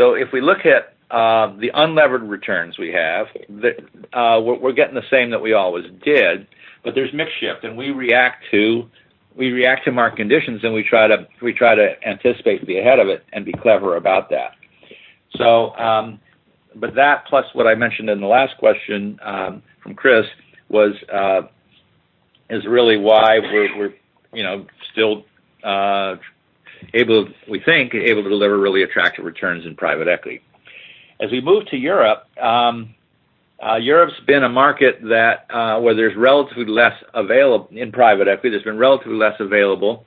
Speaker 6: If we look at the unlevered returns we have, we're getting the same that we always did, but there's mix shift, and we react to market conditions, and we try to anticipate, be ahead of it, and be clever about that. That plus what I mentioned in the last question from Chris is really why we think we're able to deliver really attractive returns in private equity. As we move to Europe's been a market where there's relatively less available in private equity. There's been relatively less available.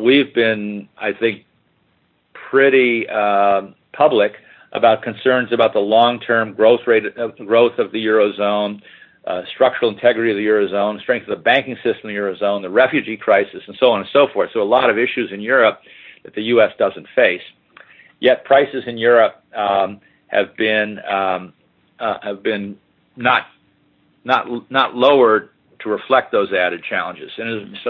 Speaker 6: We've been, I think, pretty public about concerns about the long-term growth of the Eurozone, structural integrity of the Eurozone, strength of the banking system in the Eurozone, the refugee crisis, and so on and so forth. A lot of issues in Europe that the U.S. doesn't face. Yet prices in Europe have been not lowered to reflect those added challenges.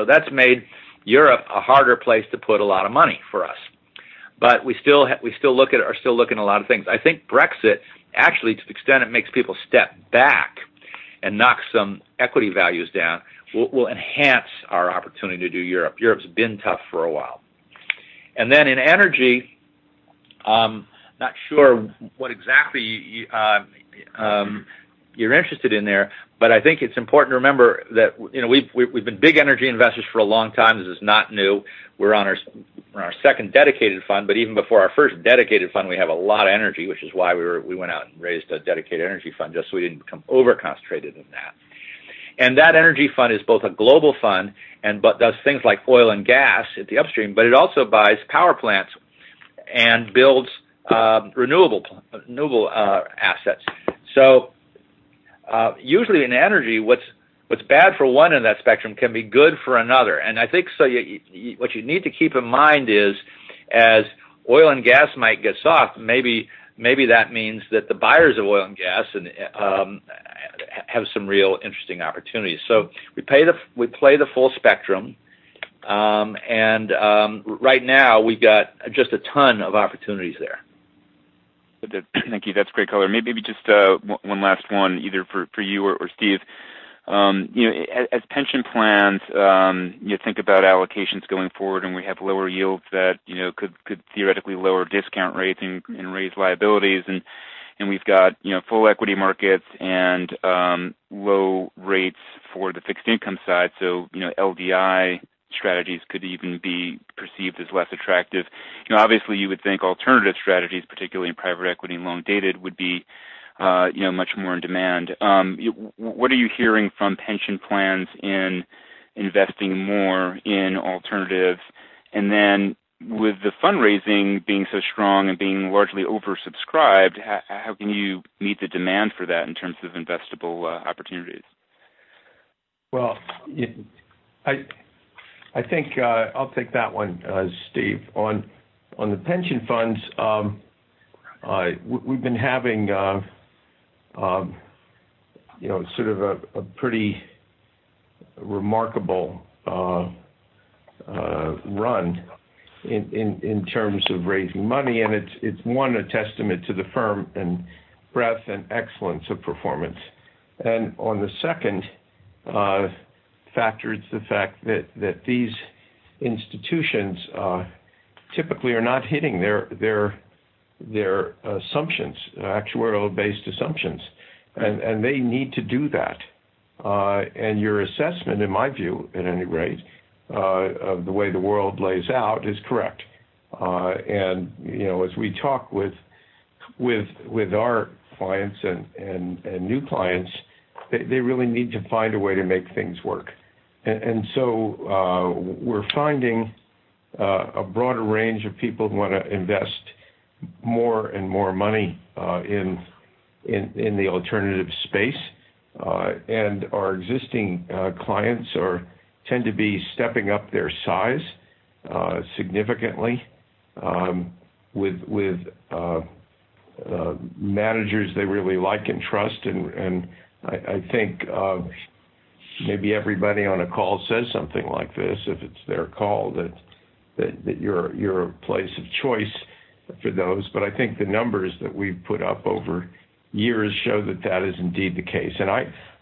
Speaker 6: That's made Europe a harder place to put a lot of money for us. We are still looking at a lot of things. I think Brexit, actually, to the extent it makes people step back and knock some equity values down, will enhance our opportunity to do Europe. Europe's been tough for a while. In energy, I'm not sure what exactly you're interested in there, I think it's important to remember that we've been big energy investors for a long time. This is not new. We're on our second dedicated fund, even before our first dedicated fund, we have a lot of energy, which is why we went out and raised a dedicated energy fund, just so we didn't become over-concentrated in that. That energy fund is both a global fund, does things like oil and gas at the upstream, it also buys power plants and builds renewable assets. Usually in energy, what's bad for one in that spectrum can be good for another. I think what you need to keep in mind is, as oil and gas might get soft, maybe that means that the buyers of oil and gas have some real interesting opportunities. We play the full spectrum, right now we got just a ton of opportunities there.
Speaker 18: Thank you. That's great color. Maybe just one last one, either for you or Steve. As pension plans think about allocations going forward, we have lower yields that could theoretically lower discount rates and raise liabilities, we've got full equity markets and low rates for the fixed income side. LDI strategies could even be perceived as less attractive. Obviously, you would think alternative strategies, particularly in private equity and low beta would be much more in demand. What are you hearing from pension plans in investing more in alternatives? With the fundraising being so strong and being largely oversubscribed, how can you meet the demand for that in terms of investable opportunities?
Speaker 3: Well, I think I'll take that one, Steve. On the pension funds, we've been having a pretty remarkable run in terms of raising money, it's one, a testament to the firm and breadth and excellence of performance. On the second factor, it's the fact that these institutions typically are not hitting their actuarial-based assumptions, they need to do that. Your assessment, in my view, at any rate, of the way the world lays out, is correct. As we talk with our clients and new clients, they really need to find a way to make things work. We're finding a broader range of people who want to invest more and more money in the alternative space. Our existing clients tend to be stepping up their size significantly with managers they really like and trust. I think maybe everybody on a call says something like this, if it's their call, that you're a place of choice for those. I think the numbers that we've put up over years show that that is indeed the case.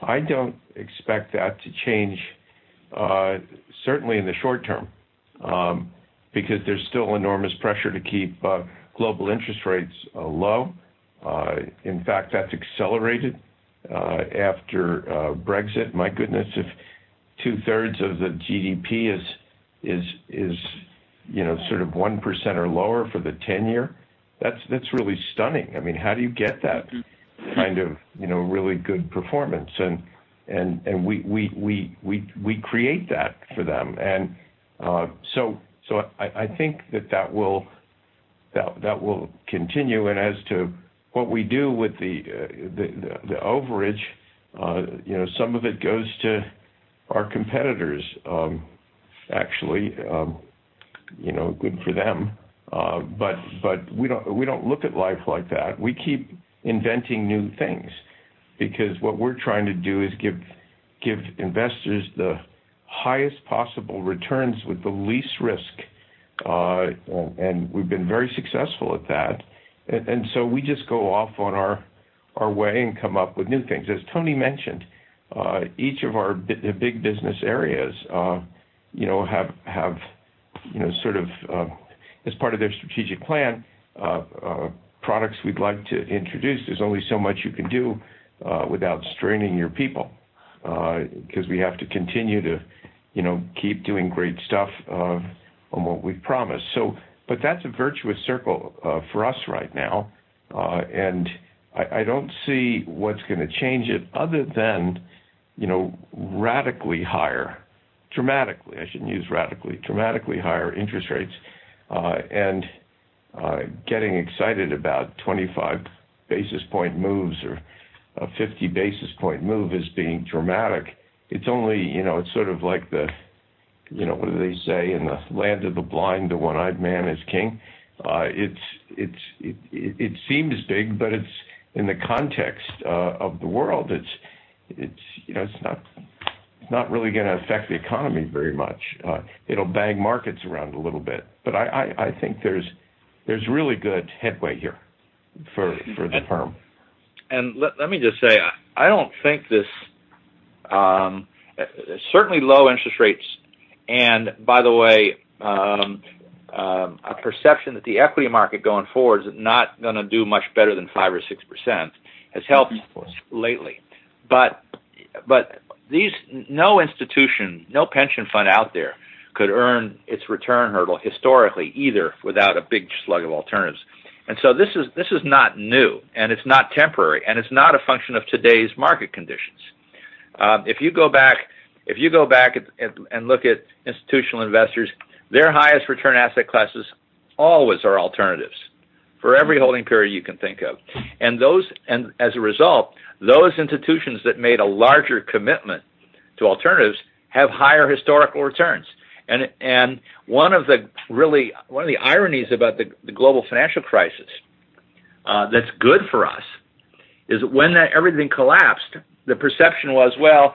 Speaker 3: I don't expect that to change, certainly in the short term because there's still enormous pressure to keep global interest rates low. In fact, that's accelerated after Brexit. My goodness, if two-thirds of the GDP is 1% or lower for the tenure, that's really stunning. How do you get that kind of really good performance? We create that for them. I think that will continue. As to what we do with the overage, some of it goes to our competitors, actually. Good for them. We don't look at life like that. We keep inventing new things because what we're trying to do is give investors the highest possible returns with the least risk, and we've been very successful at that. We just go off on our way and come up with new things. As Tony mentioned, each of our big business areas have, as part of their strategic plan, products we'd like to introduce. There's only so much you can do without straining your people, because we have to continue to keep doing great stuff on what we've promised. That's a virtuous circle for us right now. I don't see what's going to change it other than radically higher, dramatically, I shouldn't use radically, dramatically higher interest rates, and getting excited about 25 basis point moves or a 50 basis point move as being dramatic. It's sort of like the What do they say? In the land of the blind, the one-eyed man is king. It seems big, but in the context of the world, it's not really going to affect the economy very much. It'll bang markets around a little bit. I think there's really good headway here for the firm.
Speaker 6: Let me just say, I don't think this Certainly low interest rates, and by the way, a perception that the equity market going forward is not going to do much better than 5% or 6%, has helped lately. No institution, no pension fund out there could earn its return hurdle historically either without a big slug of alternatives. This is not new, and it's not temporary, and it's not a function of today's market conditions. If you go back and look at institutional investors, their highest return asset classes always are alternatives, for every holding period you can think of. As a result, those institutions that made a larger commitment to alternatives have higher historical returns. One of the ironies about the global financial crisis that's good for us is when everything collapsed, the perception was, well,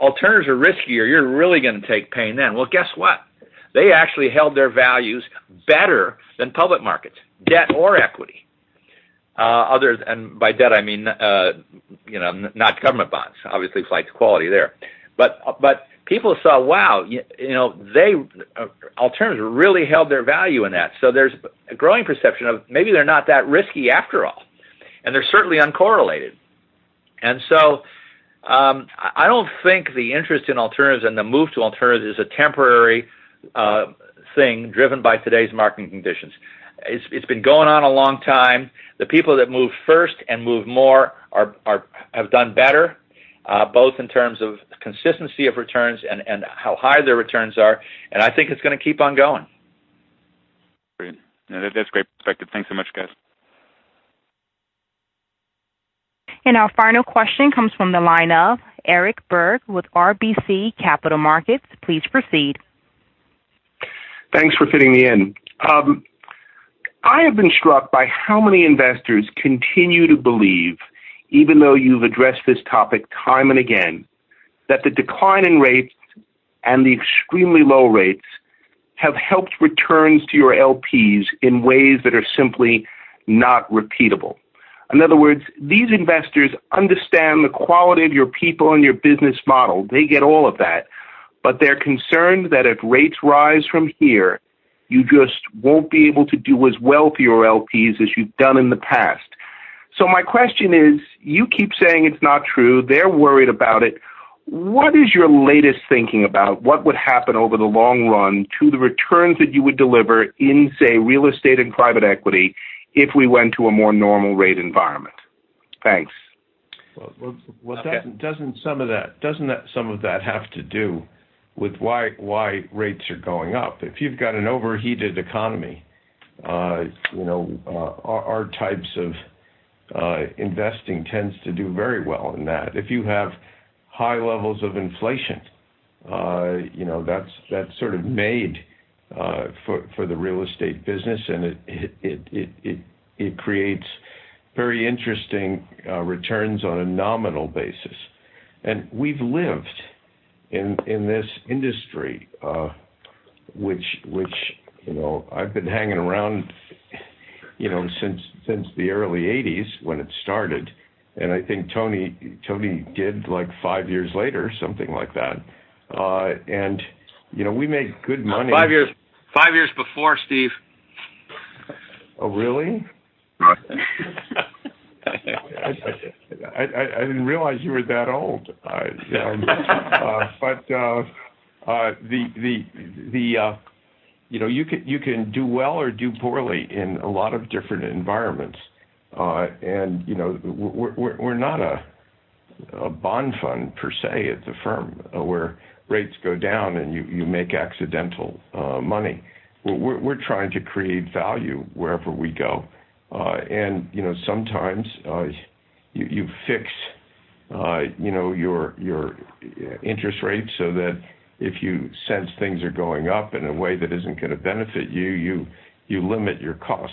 Speaker 6: alternatives are riskier. You're really going to take pain then. Well, guess what? They actually held their values better than public markets, debt or equity. By debt, I mean not government bonds. Obviously, flight to quality there. People saw, wow, alternatives really held their value in that. There's a growing perception of maybe they're not that risky after all. They're certainly uncorrelated. I don't think the interest in alternatives and the move to alternatives is a temporary thing driven by today's marketing conditions. It's been going on a long time. The people that move first and move more have done better, both in terms of consistency of returns and how high their returns are. I think it's going to keep on going.
Speaker 18: Great. No, that's great perspective. Thanks so much, guys.
Speaker 1: Our final question comes from the line of Eric Berg with RBC Capital Markets. Please proceed.
Speaker 19: Thanks for fitting me in. I have been struck by how many investors continue to believe, even though you've addressed this topic time and again, that the decline in rates and the extremely low rates have helped returns to your LPs in ways that are simply not repeatable. In other words, these investors understand the quality of your people and your business model. They get all of that. They're concerned that if rates rise from here, you just won't be able to do as well for your LPs as you've done in the past. My question is, you keep saying it's not true. They're worried about it. What is your latest thinking about what would happen over the long run to the returns that you would deliver in, say, real estate and private equity if we went to a more normal rate environment? Thanks.
Speaker 3: Well, doesn't some of that have to do with why rates are going up? If you've got an overheated economy, our types of investing tends to do very well in that. If you have high levels of inflation, that's sort of made for the real estate business, and it creates very interesting returns on a nominal basis. We've lived in this industry. I've been hanging around since the early '80s when it started, and I think Tony did five years later, something like that. We made good money.
Speaker 6: Five years before, Steve.
Speaker 3: Oh, really? I didn't realize you were that old. You can do well or do poorly in a lot of different environments. We're not a bond fund, per se, at the firm, where rates go down and you make accidental money. We're trying to create value wherever we go. Sometimes you fix your interest rates so that if you sense things are going up in a way that isn't going to benefit you limit your cost.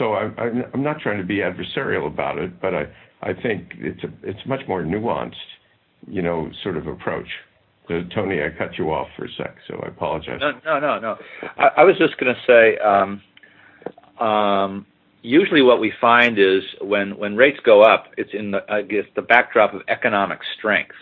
Speaker 3: I'm not trying to be adversarial about it, but I think it's much more nuanced Sort of approach. Tony, I cut you off for a sec, so I apologize.
Speaker 6: No, no. I was just going to say, usually what we find is when rates go up, it's against the backdrop of economic strength.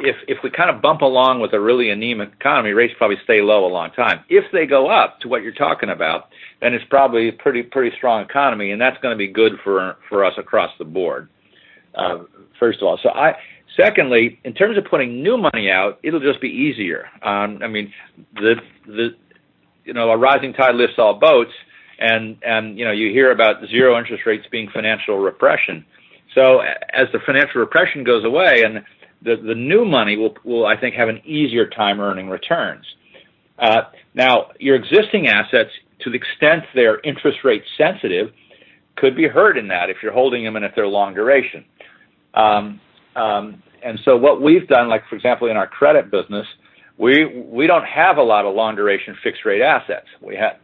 Speaker 6: If we kind of bump along with a really anemic economy, rates probably stay low a long time. If they go up to what you're talking about, it's probably a pretty strong economy, and that's going to be good for us across the board, first of all. Secondly, in terms of putting new money out, it'll just be easier. A rising tide lifts all boats, and you hear about zero interest rates being financial repression. As the financial repression goes away, and the new money will, I think, have an easier time earning returns. Now, your existing assets, to the extent they're interest rate sensitive, could be hurt in that if you're holding them and if they're long duration. What we've done, for example, in our credit business, we don't have a lot of long-duration fixed-rate assets. We're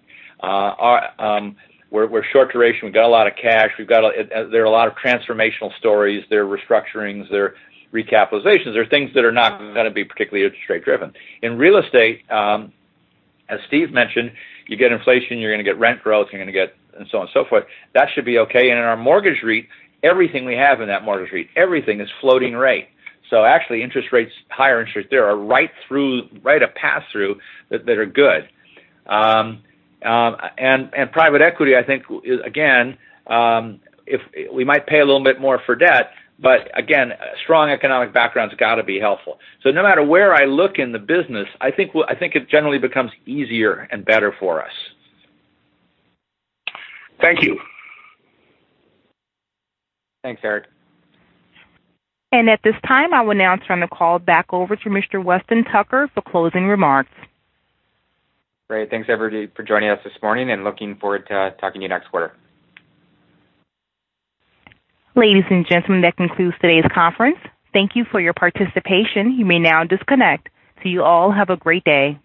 Speaker 6: short duration. We've got a lot of cash. There are a lot of transformational stories. There are restructurings, there are recapitalizations. There are things that are not going to be particularly interest rate-driven. In real estate, as Steve mentioned, you get inflation, you're going to get rent growth, and so on and so forth. That should be okay. In our mortgage REIT, everything we have in that mortgage REIT, everything is floating rate. Actually, higher interest rates there are right a pass-through that are good. Private equity, I think, again, we might pay a little bit more for debt, but again, strong economic background's got to be helpful. No matter where I look in the business, I think it generally becomes easier and better for us.
Speaker 3: Thank you.
Speaker 2: Thanks, Eric.
Speaker 1: At this time, I will now turn the call back over to Mr. Weston Tucker for closing remarks.
Speaker 2: Great. Thanks, everybody, for joining us this morning, and looking forward to talking to you next quarter.
Speaker 1: Ladies and gentlemen, that concludes today's conference. Thank you for your participation. You may now disconnect. You all have a great day.